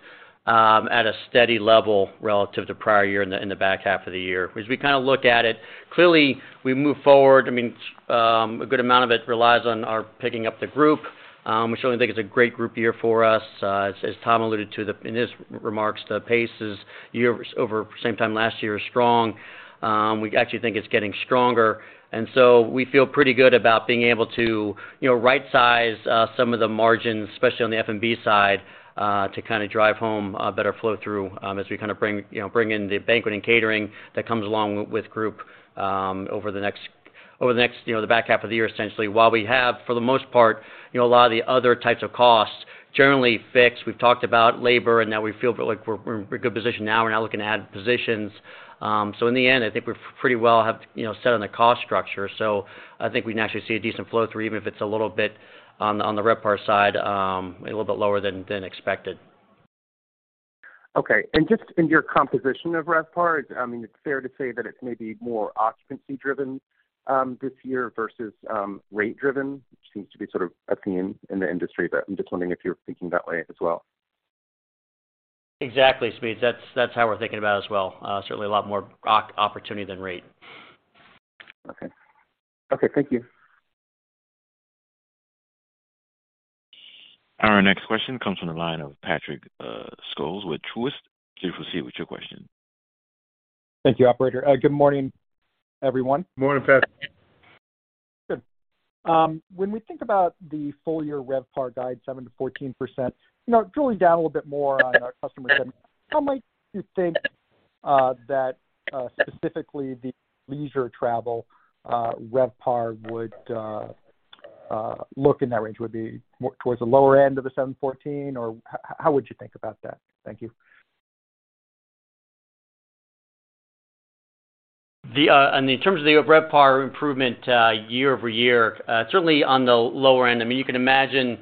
at a steady level relative to prior year in the back half of the year. As we kind of look at it, clearly, we move forward. I mean, a good amount of it relies on our picking up the group, which I only think is a great group year for us. As, as Tom alluded to in his remarks, the pace is year over same time last year is strong. We actually think it's getting stronger. We feel pretty good about being able to, you know, right-size some of the margins, especially on the F&B side, to kind of drive home a better flow through, as we kind of bring, you know, bring in the banquet and catering that comes along with group, over the next, you know, the back half of the year, essentially. While we have, for the most part, you know, a lot of the other types of costs generally fixed. We've talked about labor and that we feel like we're in pretty good position now. We're now looking to add positions. In the end, I think we're pretty well have, you know, set on the cost structure. I think we can actually see a decent flow through, even if it's a little bit on the RevPAR side, a little bit lower than expected. Okay. Just in your composition of RevPAR, I mean, it's fair to say that it's maybe more occupancy driven this year versus rate driven, which seems to be sort of a theme in the industry. I'm just wondering if you're thinking that way as well. Exactly, Smedes. That's how we're thinking about it as well. Certainly a lot more opportunity than rate. Okay. Thank you. Our next question comes from the line of Patrick Scholes with Truist. Please proceed with your question. Thank you, operator. Good morning, everyone. Morning, Patrick. Good. When we think about the full year RevPAR guide 7%-14% drilling down a little bit more on our customer mix, how might you think that specifically the leisure travel RevPAR would look in that range? Would it be more towards the lower end of the 7%-14%, or how would you think about that? Thank you. The in terms of the RevPAR improvement year-over-year, certainly on the lower end. I mean, you can imagine,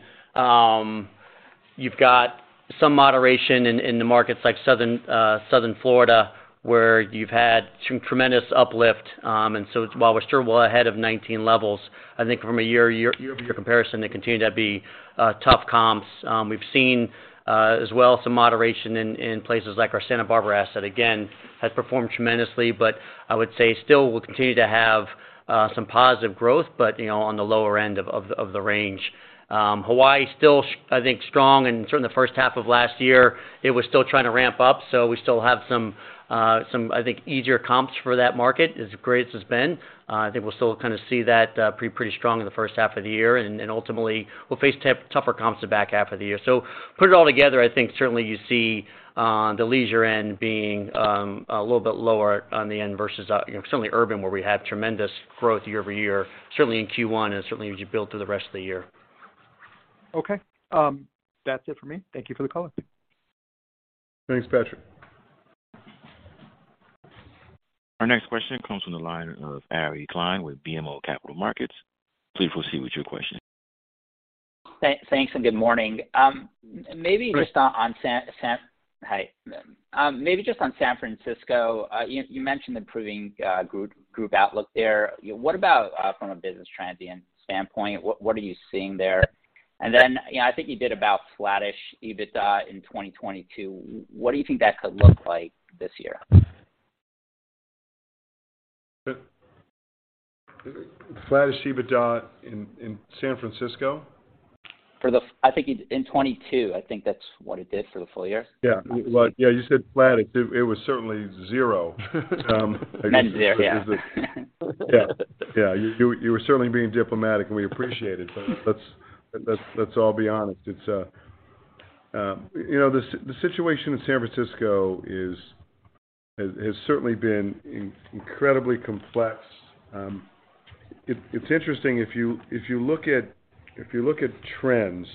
you've got some moderation in the markets like Southern Florida, where you've had some tremendous uplift. While we're still well ahead of '19 Levels, I think from a year-over-year comparison, they continue to be tough comps. We've seen as well some moderation in places like our Santa Barbara asset, again, has performed tremendously, but I would say still will continue to have some positive growth, but, you know, on the lower end of the range. Hawaii still I think strong, and certainly the first half of last year, it was still trying to ramp up. we still have some, I think, easier comps for that market as great as it's been. I think we'll still kind of see that pretty strong in the first half of the year. ultimately, we'll face tougher comps the back half of the year. put it all together, I think certainly you see the leisure end being a little bit lower on the end versus, you know, certainly urban, where we had tremendous growth year-over-year, certainly in Q1, and certainly as you build through the rest of the year. That's it for me. Thank you for the color. Thanks, Patrick. Our next question comes from the line of Ari Klein with BMO Capital Markets. Please proceed with your question. Thanks, and good morning. Maybe just on San Francisco. Good morning. Hi. Maybe just on San Francisco, you mentioned improving group outlook there. What about from a business transient standpoint? What are you seeing there? You know, I think you did about flattish EBITDA in 2022. What do you think that could look like this year? Flattish EBITDA in San Francisco? I think in 2022, I think that's what it did for the full year. Well, you said flattish. It was certainly zero. That's there. You were certainly being diplomatic, and we appreciate it, let's, let's all be honest. It's, you know, the situation in San Francisco has certainly been incredibly complex. It's interesting, if you look at, if you look at trends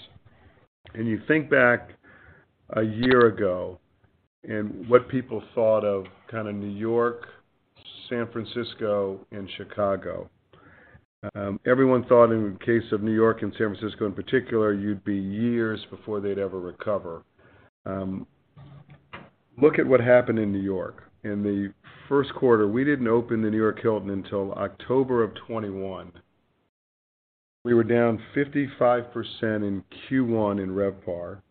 and you think back a year ago and what people thought of kind of New York, San Francisco, and Chicago, everyone thought in case of New York and San Francisco in particular, you'd be years before they'd ever recover. Look at what happened in New York. In the first quarter, we didn't open the New York Hilton until October of 2021. We were down 55% in Q1 in RevPAR,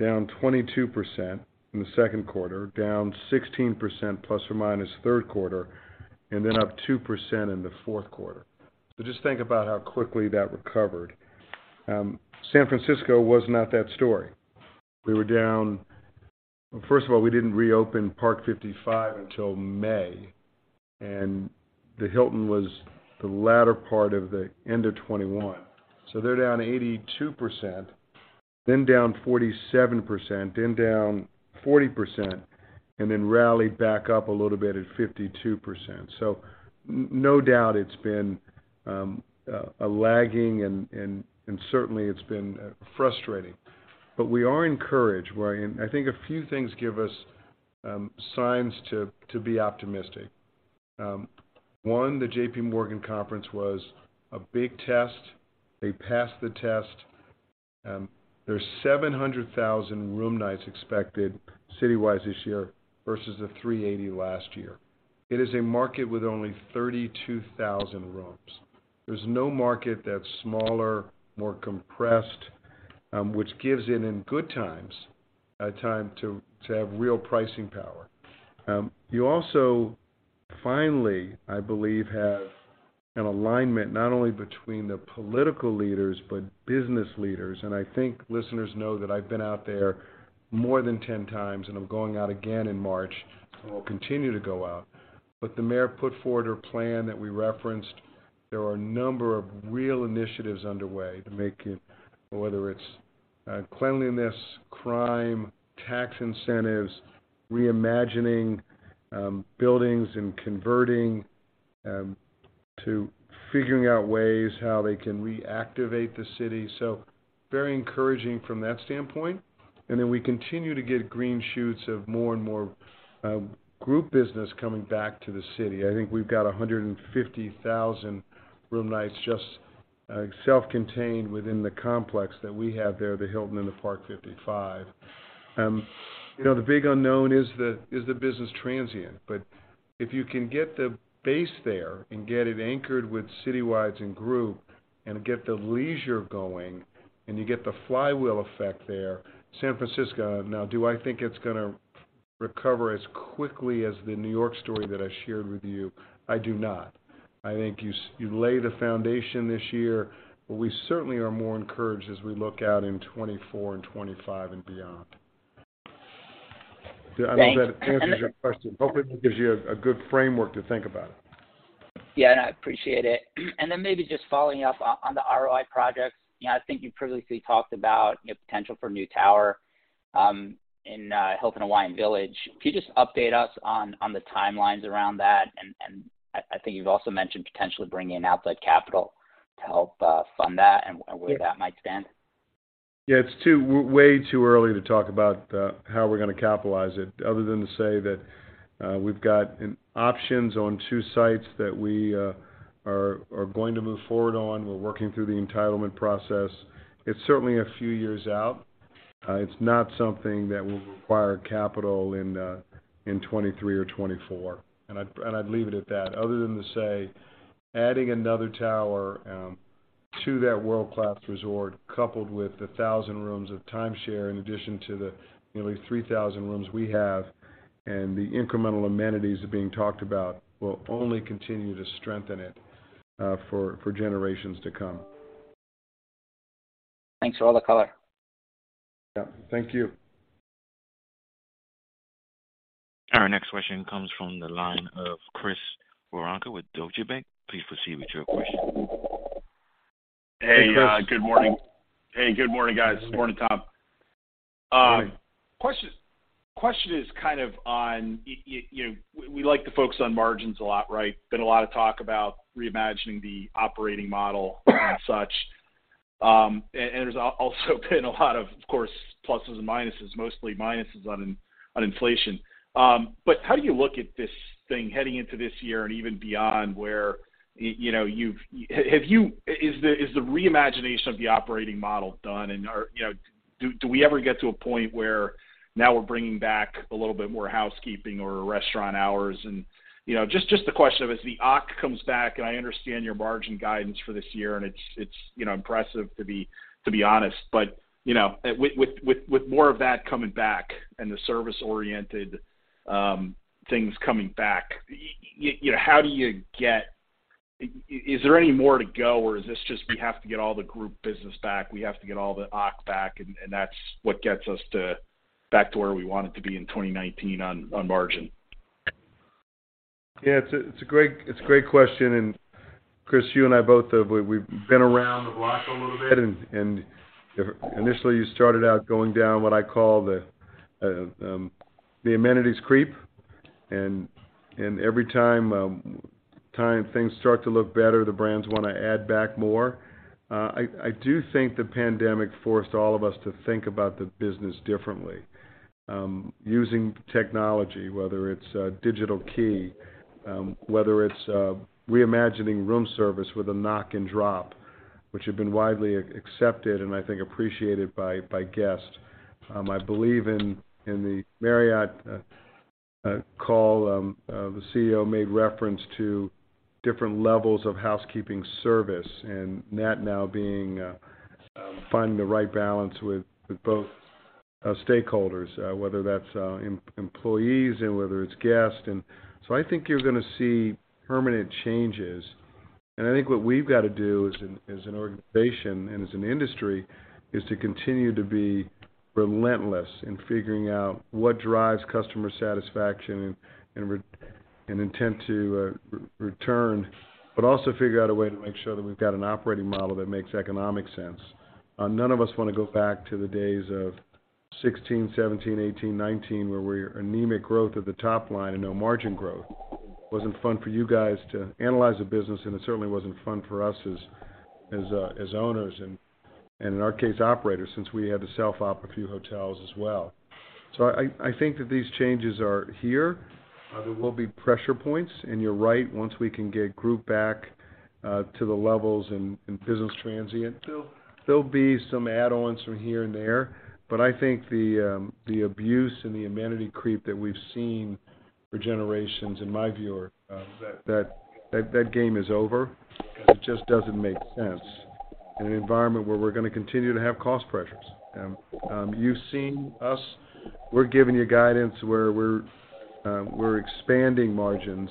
down 22% in the second quarter, down 16%± third quarter, up 2% in the fourth quarter. Just think about how quickly that recovered. San Francisco was not that story. First of all, we didn't reopen Parc 55 until May, and the Hilton was the latter part of the end of 2021. They're down 82%, then down 47%, then down 40%, and then rallied back up a little bit at 52%. No, no doubt it's been a lagging and certainly it's been frustrating. We are encouraged, where I think a few things give us signs to be optimistic. One, the JPMorgan Conference was a big test. They passed the test. There's 700,000 room nights expected city-wide this year versus the 380 last year. It is a market with only 32,000 rooms. There's no market that's smaller, more compressed, which gives it, in good times, time to have real pricing power. You also finally, I believe, have an alignment not only between the political leaders, but business leaders. I think listeners know that I've been out there more than 10x, and I'm going out again in March, and will continue to go out. The Mayor put forward a plan that we referenced. There are a number of real initiatives underway to make it, whether it's cleanliness, crime, tax incentives, reimagining, buildings and converting, to figuring out ways how they can reactivate the city. Very encouraging from that standpoint. Then we continue to get green shoots of more and more group business coming back to the city. I think we've got 150,000 room nights just self-contained within the complex that we have there, the Hilton and the Parc 55. You know, the big unknown is the business transient. If you can get the base there and get it anchored with city wides and group, and get the leisure going, and you get the flywheel effect there, San Francisco. Do I think it's gonna recover as quickly as the New York story that I shared with you? I do not. I think you lay the foundation this year, but we certainly are more encouraged as we look out in 2024 and 2025 and beyond. Thanks. I hope that answers your question. Hopefully it gives you a good framework to think about it. Yeah, I appreciate it. Then maybe just following up on the ROI projects. You know, I think you previously talked about, you know, potential for new tower in Hilton Hawaiian Village. Could you just update us on the timelines around that? I think you've also mentioned potentially bringing in outlet capital to help fund that and where that might stand. Yeah, it's way too early to talk about how we're gonna capitalize it other than to say that we've got options on two sites that we are going to move forward on. We're working through the entitlement process. It's certainly a few years out. It's not something that will require capital in 2023 or 2024. I'd leave it at that, other than to say adding another tower to that world-class resort, coupled with the 1,000 rooms of timeshare, in addition to the nearly 3,000 rooms we have, and the incremental amenities that are being talked about, will only continue to strengthen it for generations to come. Thanks for all the color. Yeah. Thank you. Our next question comes from the line of Chris Woronka with Deutsche Bank. Please proceed with your question. Hey, Chris. Hey, good morning. Hey, good morning, guys. Morning, Tom. Morning. Question is on we like to focus on margins a lot, right? Been a lot of talk about reimagining the operating model and such. There's also been a lot of course, pluses and minuses, mostly minuses on inflation. How do you look at this thing heading into this year and even beyond where you know, you've? Is the reimagination of the operating model done? Do we ever get to a point where now we're bringing back a little bit more housekeeping or restaurant hours? Just the question of as the OC comes back, and I understand your margin guidance for this year, and it's impressive, to be honest. With more of that coming back and the service-oriented things coming back, Is there any more to go, or is this just we have to get all the group business back, we have to get all the occupancy back, and that's what gets us to back to where we want it to be in 2019 on margin? It's a great question. Chris, you and I both have been around the block a little bit. Initially, you started out going down what I call the amenities creep. Every time things start to look better, the brands wanna add back more. I do think the pandemic forced all of us to think about the business differently. Using technology, whether it's a digital key, whether it's reimagining room service with a knock and drop, which have been widely accepted and I think appreciated by guests. I believe in the Marriott call, the CEO made reference to different levels of housekeeping service, and that now being finding the right balance with both stakeholders, whether that's employees and whether it's guests. I think you're gonna see permanent changes. I think what we've gotta do as an organization and as an industry is to continue to be relentless in figuring out what drives customer satisfaction and intent to return, but also figure out a way to make sure that we've got an operating model that makes economic sense. None of us wanna go back to the days of 2016, 2017, 2018, 2019, where we're anemic growth at the top line and no margin growth. Wasn't fun for you guys to analyze the business, and it certainly wasn't fun for us as owners and in our case, operators, since we had to self-op a few hotels as well. I think that these changes are here. There will be pressure points. You're right. Once we can get group back to the levels and business transient, there'll be some add-ons from here and there. I think the abuse and the amenity creep that we've seen for generations, in my view, are, that game is over. It just doesn't make sense in an environment where we're gonna continue to have cost pressures. You've seen us. We're giving you guidance where we're expanding margins,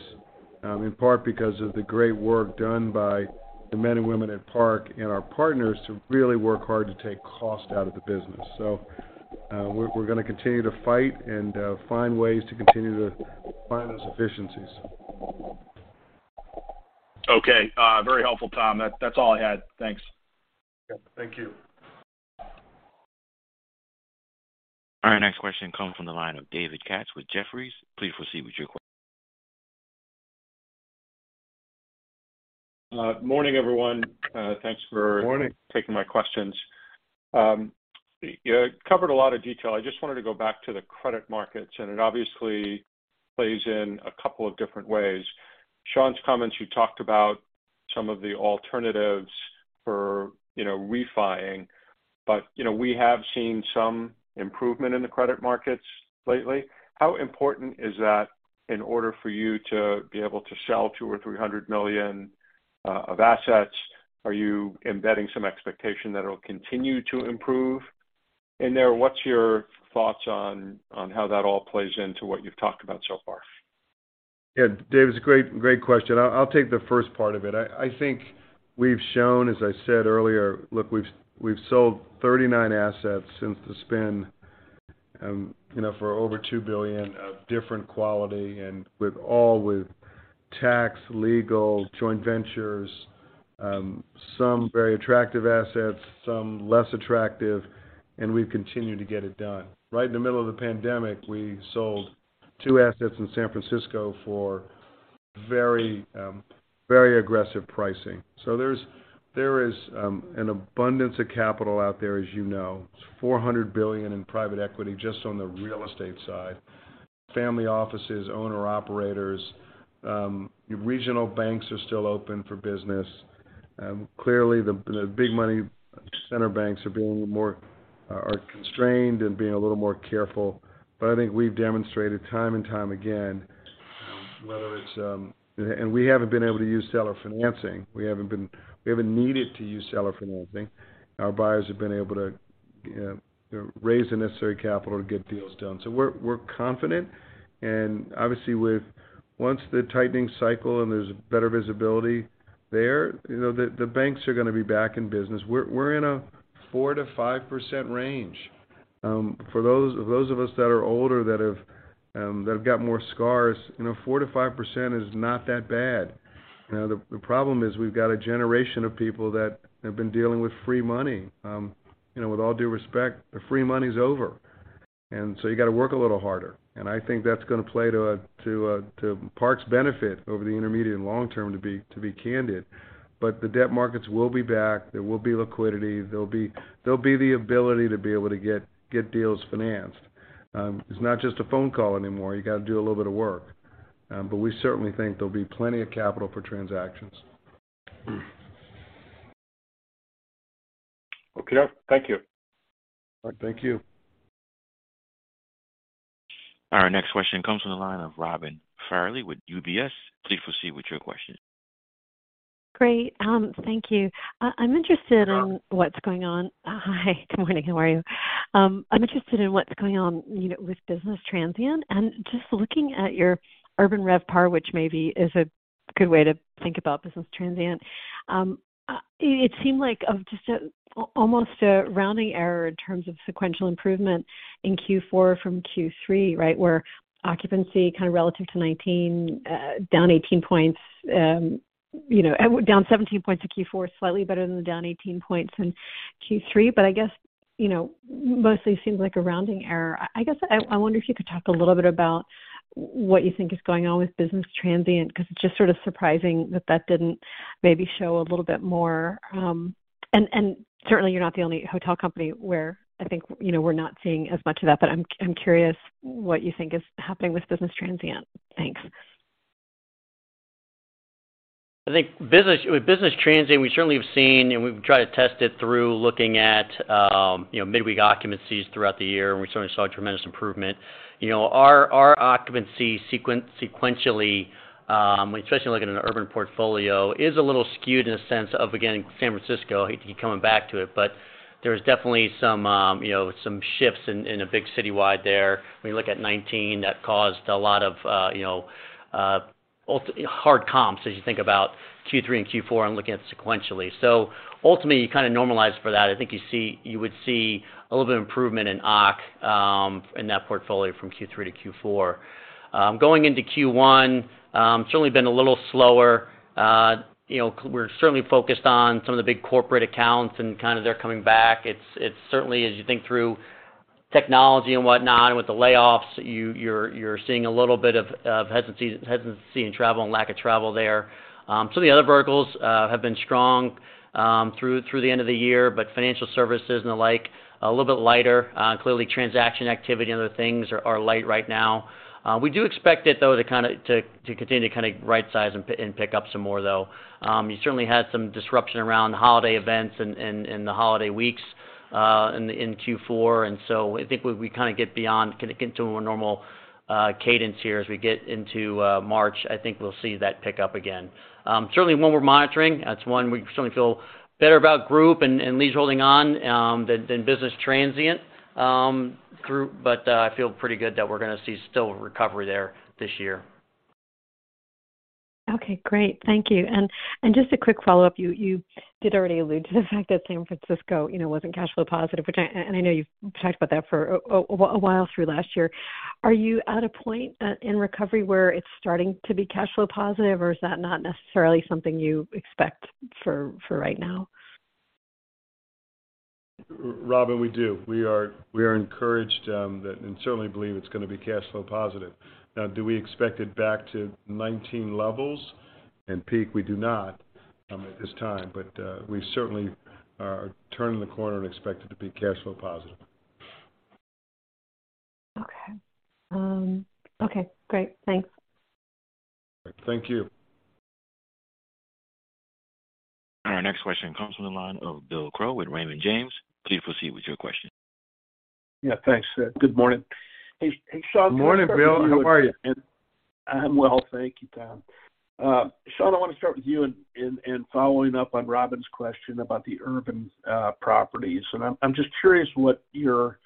in part because of the great work done by the men and women at Park and our partners who really work hard to take cost out of the business. We're going to continue to fight and find ways to continue to find those efficiencies. Okay. Very helpful, Tom. That's all I had. Thanks. Yeah. Thank you. Our next question comes from the line of David Katz with Jefferies. Please proceed with your question. Morning, everyone. Thanks for taking my questions. You covered a lot of detail. I just wanted to go back to the credit markets. It obviously plays in a couple of different ways. Sean's comments, you talked about some of the alternatives for, you know, refying. You know, we have seen some improvement in the credit markets lately. How important is that in order for you to be able to sell $200 million or $300 million of assets? Are you embedding some expectation that it'll continue to improve in there? What's your thoughts on how that all plays into what you've talked about so far? David, it's a great question. I'll take the first part of it. I think we've shown, as I said earlier. Look, we've sold 39 assets since the spin, you know, for over $2 billion of different quality and with all with tax, legal, joint ventures, some very attractive assets, some less attractive, and we've continued to get it done. Right in the middle of the pandemic, we sold two assets in San Francisco for very aggressive pricing. There's an abundance of capital out there, as you know. It's $400 billion in private equity just on the real estate side. Family offices, owner operators, regional banks are still open for business. Clearly, the big money center banks are being more constrained and being a little more careful. I think we've demonstrated time and time again, we haven't been able to use seller financing. We haven't needed to use seller financing. Our buyers have been able to raise the necessary capital to get deals done. We're confident. Obviously, with once the tightening cycle and there's better visibility there, you know, the banks are gonna be back in business. We're in a 4%-5% range. For those of us that are older that have got more scars, you know, 4%-5% is not that bad. You know, the problem is we've got a generation of people that have been dealing with free money. You know, with all due respect, the free money is over. You gotta work a little harder. I think that's gonna play to Park's benefit over the intermediate and long term, to be candid. The debt markets will be back. There will be liquidity. There'll be the ability to be able to get deals financed. It's not just a phone call anymore. You gotta do a little bit of work. We certainly think there'll be plenty of capital for transactions. Okay. Thank you. All right. Thank you. Our next question comes from the line of Robin Farley with UBS. Please proceed with your question. Great. Thank you. I'm interested in what's going on. Hi. Good morning. How are you? I'm interested in what's going on, you know, with business transient. Just looking at your urban RevPAR, which maybe is a good way to think about business transient. It seemed like of just almost a rounding error in terms of sequential improvement in Q4 from Q3, right? Where occupancy kind of relative to 19, down 18 points down 17 points in Q4, slightly better than the down 18 points in Q3. I guess, you know, mostly seems like a rounding error. I guess I wonder if you could talk a little bit about what you think is going on with business transient, 'cause it's just sort of surprising that that didn't maybe show a little bit more. Certainly, you're not the only hotel company where we're not seeing as much of that, but I'm curious what you think is happening with business transient. Thanks. I think business, with business transient, we certainly have seen and we've tried to test it through looking at midweek occupancies throughout the year, and we certainly saw a tremendous improvement. Our occupancy sequentially, especially looking at an urban portfolio, is a little skewed in the sense of, again, San Francisco. I hate to keep coming back to it, but there's definitely some shifts in a big citywide there. When you look at '19, that caused a lot of, you know, hard comps as you think about Q3 and Q4 and looking at sequentially. Ultimately, you kind of normalize for that. I think you would see a little bit of improvement in occupancy, in that portfolio from Q3-Q4. Going into Q1, certainly been a little slower. you know, we're certainly focused on some of the big corporate accounts and kind of they're coming back. It's certainly, as you think through technology and whatnot, and with the layoffs, you're seeing a little bit of hesitancy in travel and lack of travel there. Some of the other verticals have been strong through the end of the year, but financial services and the like, a little bit lighter. Clearly transaction activity and other things are light right now. We do expect it though to kinda continue to kind of right size and pick up some more though. You certainly had some disruption around holiday events and the holiday weeks in Q4. I think when we kind of get beyond, get into a more normal cadence here as we get into March, I think we'll see that pick up again. Certainly one we're monitoring. That's one we certainly feel better about group and leads holding on than business transient through. I feel pretty good that we're gonna see still a recovery there this year. Okay, great. Thank you. Just a quick follow-up, you did already allude to the fact that San Francisco, you know, wasn't cash flow positive, which and I know you've talked about that for a while through last year. Are you at a point in recovery where it's starting to be cash flow positive, or is that not necessarily something you expect for right now? Robin, we do. We are encouraged that certainly believe it's gonna be cash flow positive. Do we expect it back to '19 levels and peak? We do not at this time. We certainly are turning the corner and expect it to be cash flow positive. Okay. Great. Thanks. Thank you. Our next question comes from the line of Bill Crow with Raymond James. Please proceed with your question. Yeah, thanks. Good morning. Hey, Sean, can I start. Good morning, Bill. How are you? I'm well, thank you, Tom. Sean, I wanna start with you and following up on Robin's question about the urban properties. I'm just curious what your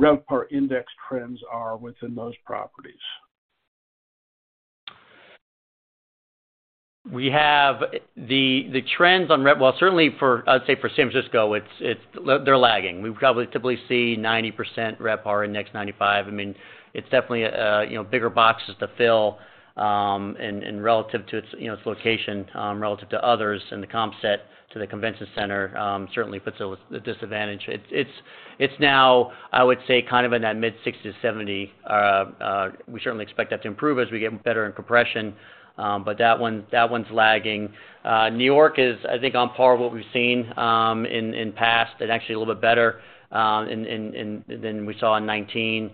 RevPAR Index trends are within those properties. The trends on Rev-- Well, certainly for, I'd say for San Francisco, it's, they're lagging. We've probably typically see 90% RevPAR, index 95. I mean, it's definitely, you know, bigger boxes to fill, and relative to its, you know, its location, relative to others in the comp set to the convention center, certainly puts it with a disadvantage. It's now, I would say, kind of in that mid-60 to 70. We certainly expect that to improve as we get better in compression, but that one's lagging. New York is, I think, on par with what we've seen, in past and actually a little bit better, in than we saw in 2019.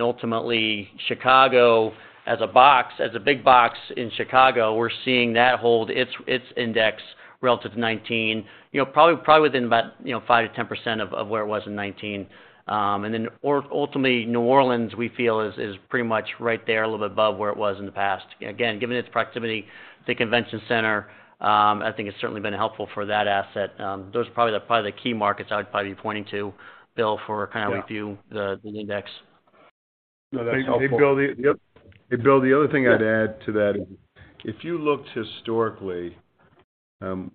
Ultimately, Chicago as a box, as a big box in Chicago, we're seeing that hold its index relative to 2019. You know, probably within about, you know, 5%-10% of where it was in 2019. Ultimately, New Orleans, we feel is pretty much right there, a little bit above where it was in the past. Again, given its proximity to convention center, I think it's certainly been helpful for that asset. Those are probably the key markets I would probably be pointing to, Bill, for kind of with you the index. No, that's helpful. Hey, Bill, Yep. Hey, Bill, the other thing I'd add to that, if you looked historically, I'm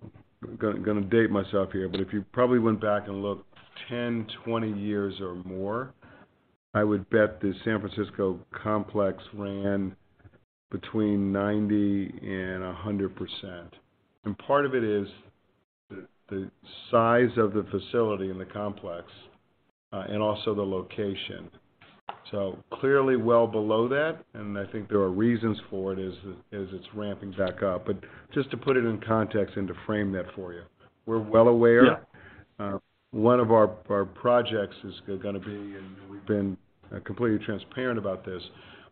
gonna date myself here, but if you probably went back and looked 10, 20 years or more, I would bet the San Francisco complex ran between 90% and 100%. Part of it is the size of the facility in the complex, and also the location. Clearly well below that, and I think there are reasons for it as it's ramping back up. Just to put it in context and to frame that for you. We're well aware. One of our projects is gonna be, and we've been completely transparent about this,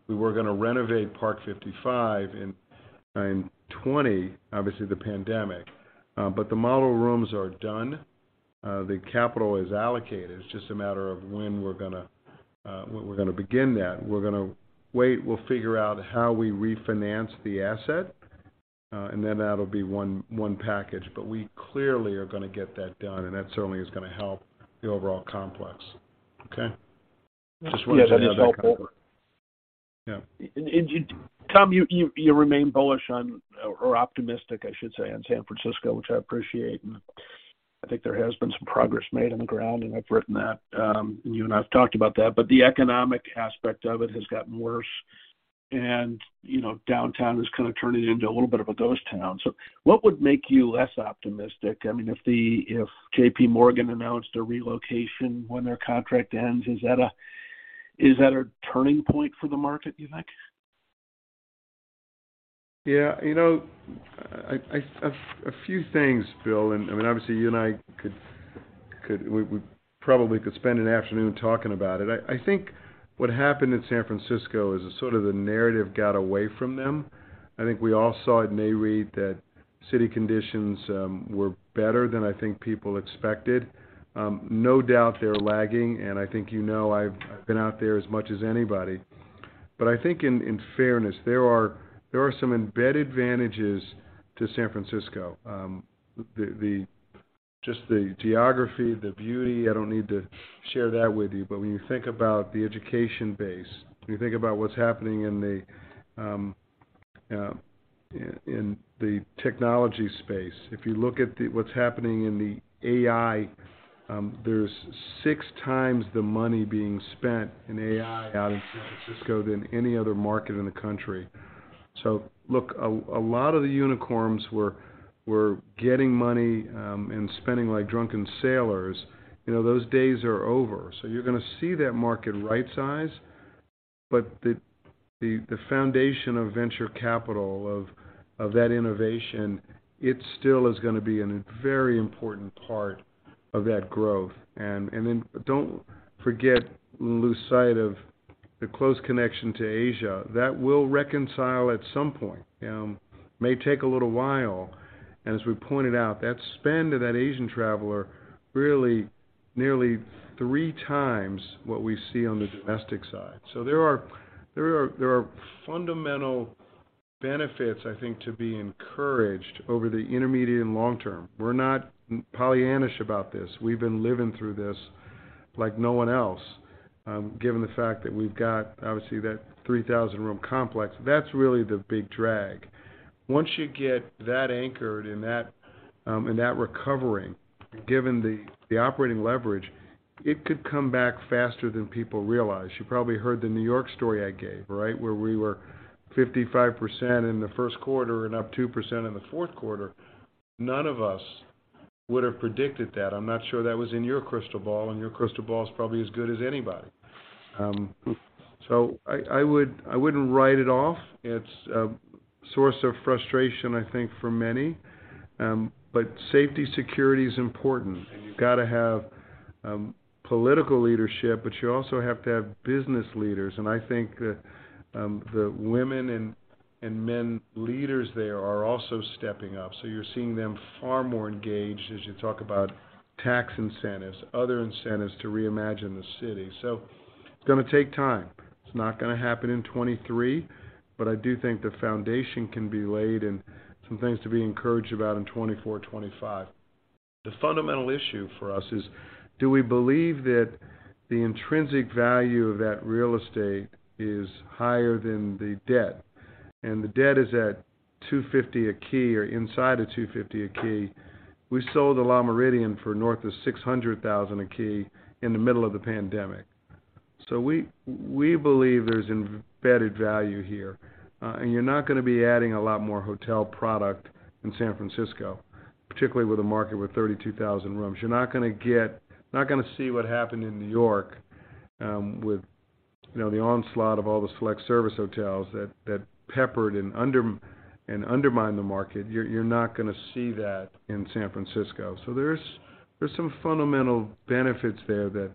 we were gonna renovate Parc 55 in 2020, obviously the pandemic. The model rooms are done. The capital is allocated. It's just a matter of when we're gonna, when we're gonna begin that. We're gonna wait. We'll figure out how we refinance the asset, and then that'll be one package. We clearly are gonna get that done, and that certainly is gonna help the overall complex. Okay. Yeah, that is all over. Tom, you remain bullish on, or optimistic, I should say, on San Francisco, which I appreciate. I think there has been some progress made on the ground, and I've written that, you and I have talked about that, but the economic aspect of it has gotten worse. You know, downtown is kind of turning into a little bit of a ghost town. What would make you less optimistic? I mean, if JP Morgan announced a relocation when their contract ends, is that a turning point for the market, you think? Yeah. You know, a few things, Bill, I mean, obviously, you and I could probably spend an afternoon talking about it. I think what happened in San Francisco is sort of the narrative got away from them. I think we all saw at Nareit that city conditions were better than I think people expected. No doubt they're lagging, I think you know I've been out there as much as anybody. I think in fairness, there are some embedded advantages to San Francisco. Just the geography, the beauty, I don't need to share that with you. When you think about the education base, when you think about what's happening in the technology space, if you look at what's happening in the AI, there's 6x the money being spent in AI out in San Francisco than any other market in the country. Look, a lot of the unicorns were getting money, and spending like drunken sailors. You know, those days are over. You're gonna see that market right-size, but the foundation of venture capital of that innovation, it still is gonna be an very important part of that growth. Then don't forget and lose sight of the close connection to Asia. That will reconcile at some point. May take a little while. As we pointed out, that spend of that Asian traveler really nearly 3x what we see on the domestic side. There are fundamental benefits, I think, to be encouraged over the intermediate and long term. We're not Pollyannish about this. We've been living through this like no one else, given the fact that we've got, obviously, that 3,000 room complex. That's really the big drag. Once you get that anchored and that recovering, given the operating leverage, it could come back faster than people realize. You probably heard the New York story I gave, right? Where we were 55% in the first quarter and up 2% in the fourth quarter. None of us would have predicted that. I'm not sure that was in your crystal ball. Your crystal ball is probably as good as anybody. I would, I wouldn't write it off. It's a source of frustration, I think, for many. Safety security is important, and you've got to have political leadership, but you also have to have business leaders. I think that the women and men leaders there are also stepping up. You're seeing them far more engaged as you talk about tax incentives, other incentives to reimagine the city. It's gonna take time. It's not gonna happen in 2023, but I do think the foundation can be laid and some things to be encouraged about in 2024, 2025. The fundamental issue for us is: Do we believe that the intrinsic value of that real estate is higher than the debt? The debt is at $250 a key or inside of $250 a key. We sold the Le Méridien for north of $600,000 a key in the middle of the pandemic. We believe there's embedded value here. You're not gonna be adding a lot more hotel product in San Francisco, particularly with a market with 32,000 rooms. You're not gonna see what happened in New York, with, you know, the onslaught of all the select service hotels that peppered and undermined the market. You're not gonna see that in San Francisco. There's some fundamental benefits there that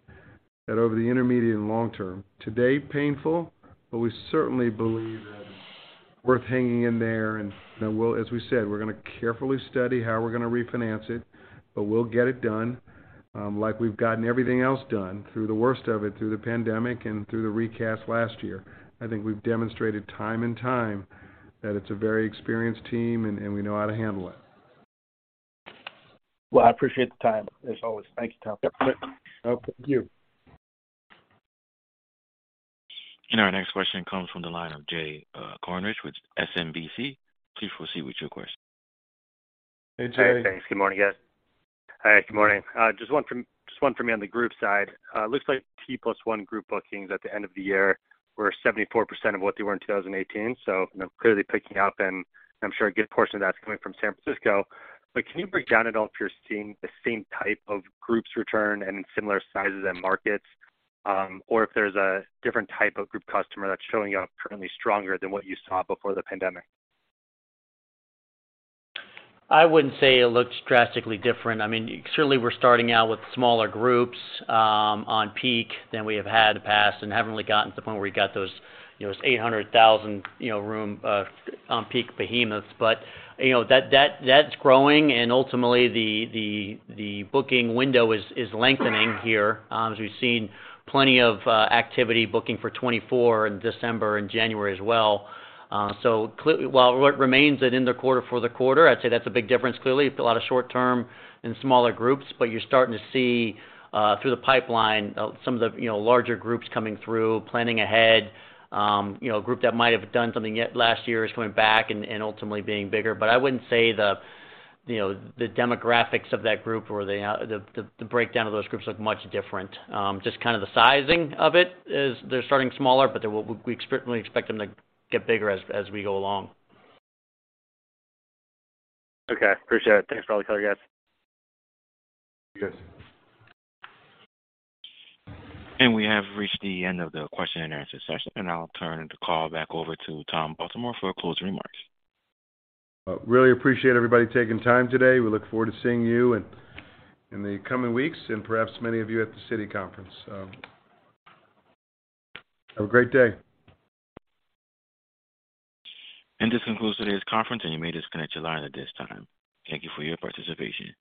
over the intermediate and long term. Today, painful, but we certainly believe that it's worth hanging in there. You know, we'll. As we said, we're gonna carefully study how we're gonna refinance it. We'll get it done, like we've gotten everything else done through the worst of it, through the pandemic and through the recast last year. I think we've demonstrated time and time that it's a very experienced team and we know how to handle it. Well, I appreciate the time, as always. Thank you, Tom. Yep. Thank you. Our next question comes from the line of Jay Kornreich with SMBC. Please proceed with your question. Hey, Jay. Hey, thanks. Good morning, guys. All right, good morning. Just one for me on the group side. Looks like T plus one group bookings at the end of the year were 74% of what they were in 2018. You know, clearly picking up, and I'm sure a good portion of that's coming from San Francisco. Can you break down at all if you're seeing the same type of groups return and similar sizes and markets, or if there's a different type of group customer that's showing up currently stronger than what you saw before the pandemic? I wouldn't say it looks drastically different. I mean, certainly we're starting out with smaller groups, on peak than we have had in the past and haven't really gotten to the point where we got those those 800,000 room, on peak behemoths. That's growing and ultimately the, the booking window is lengthening here, as we've seen plenty of activity booking for 2024 in December and January as well. While what remains that end of quarter for the quarter, I'd say that's a big difference. Clearly, a lot of short term and smaller groups, but you're starting to see through the pipeline, some of the, you know, larger groups coming through, planning ahead. A group that might have done something yet last year is coming back and ultimately being bigger. I wouldn't say the, you know, the demographics of that group or the breakdown of those groups look much different. Just the sizing of it is they're starting smaller, but we expect them to get bigger as we go along. Okay. Appreciate it. Thanks for all the color, guys. Thank you. We have reached the end of the question-and-answer session, and I'll turn the call back over to Tom Baltimore for closing remarks. Really appreciate everybody taking time today. We look forward to seeing you in the coming weeks and perhaps many of you at the Citi Conference. Have a great day. This concludes today's conference, and you may disconnect your line at this time. Thank you for your participation.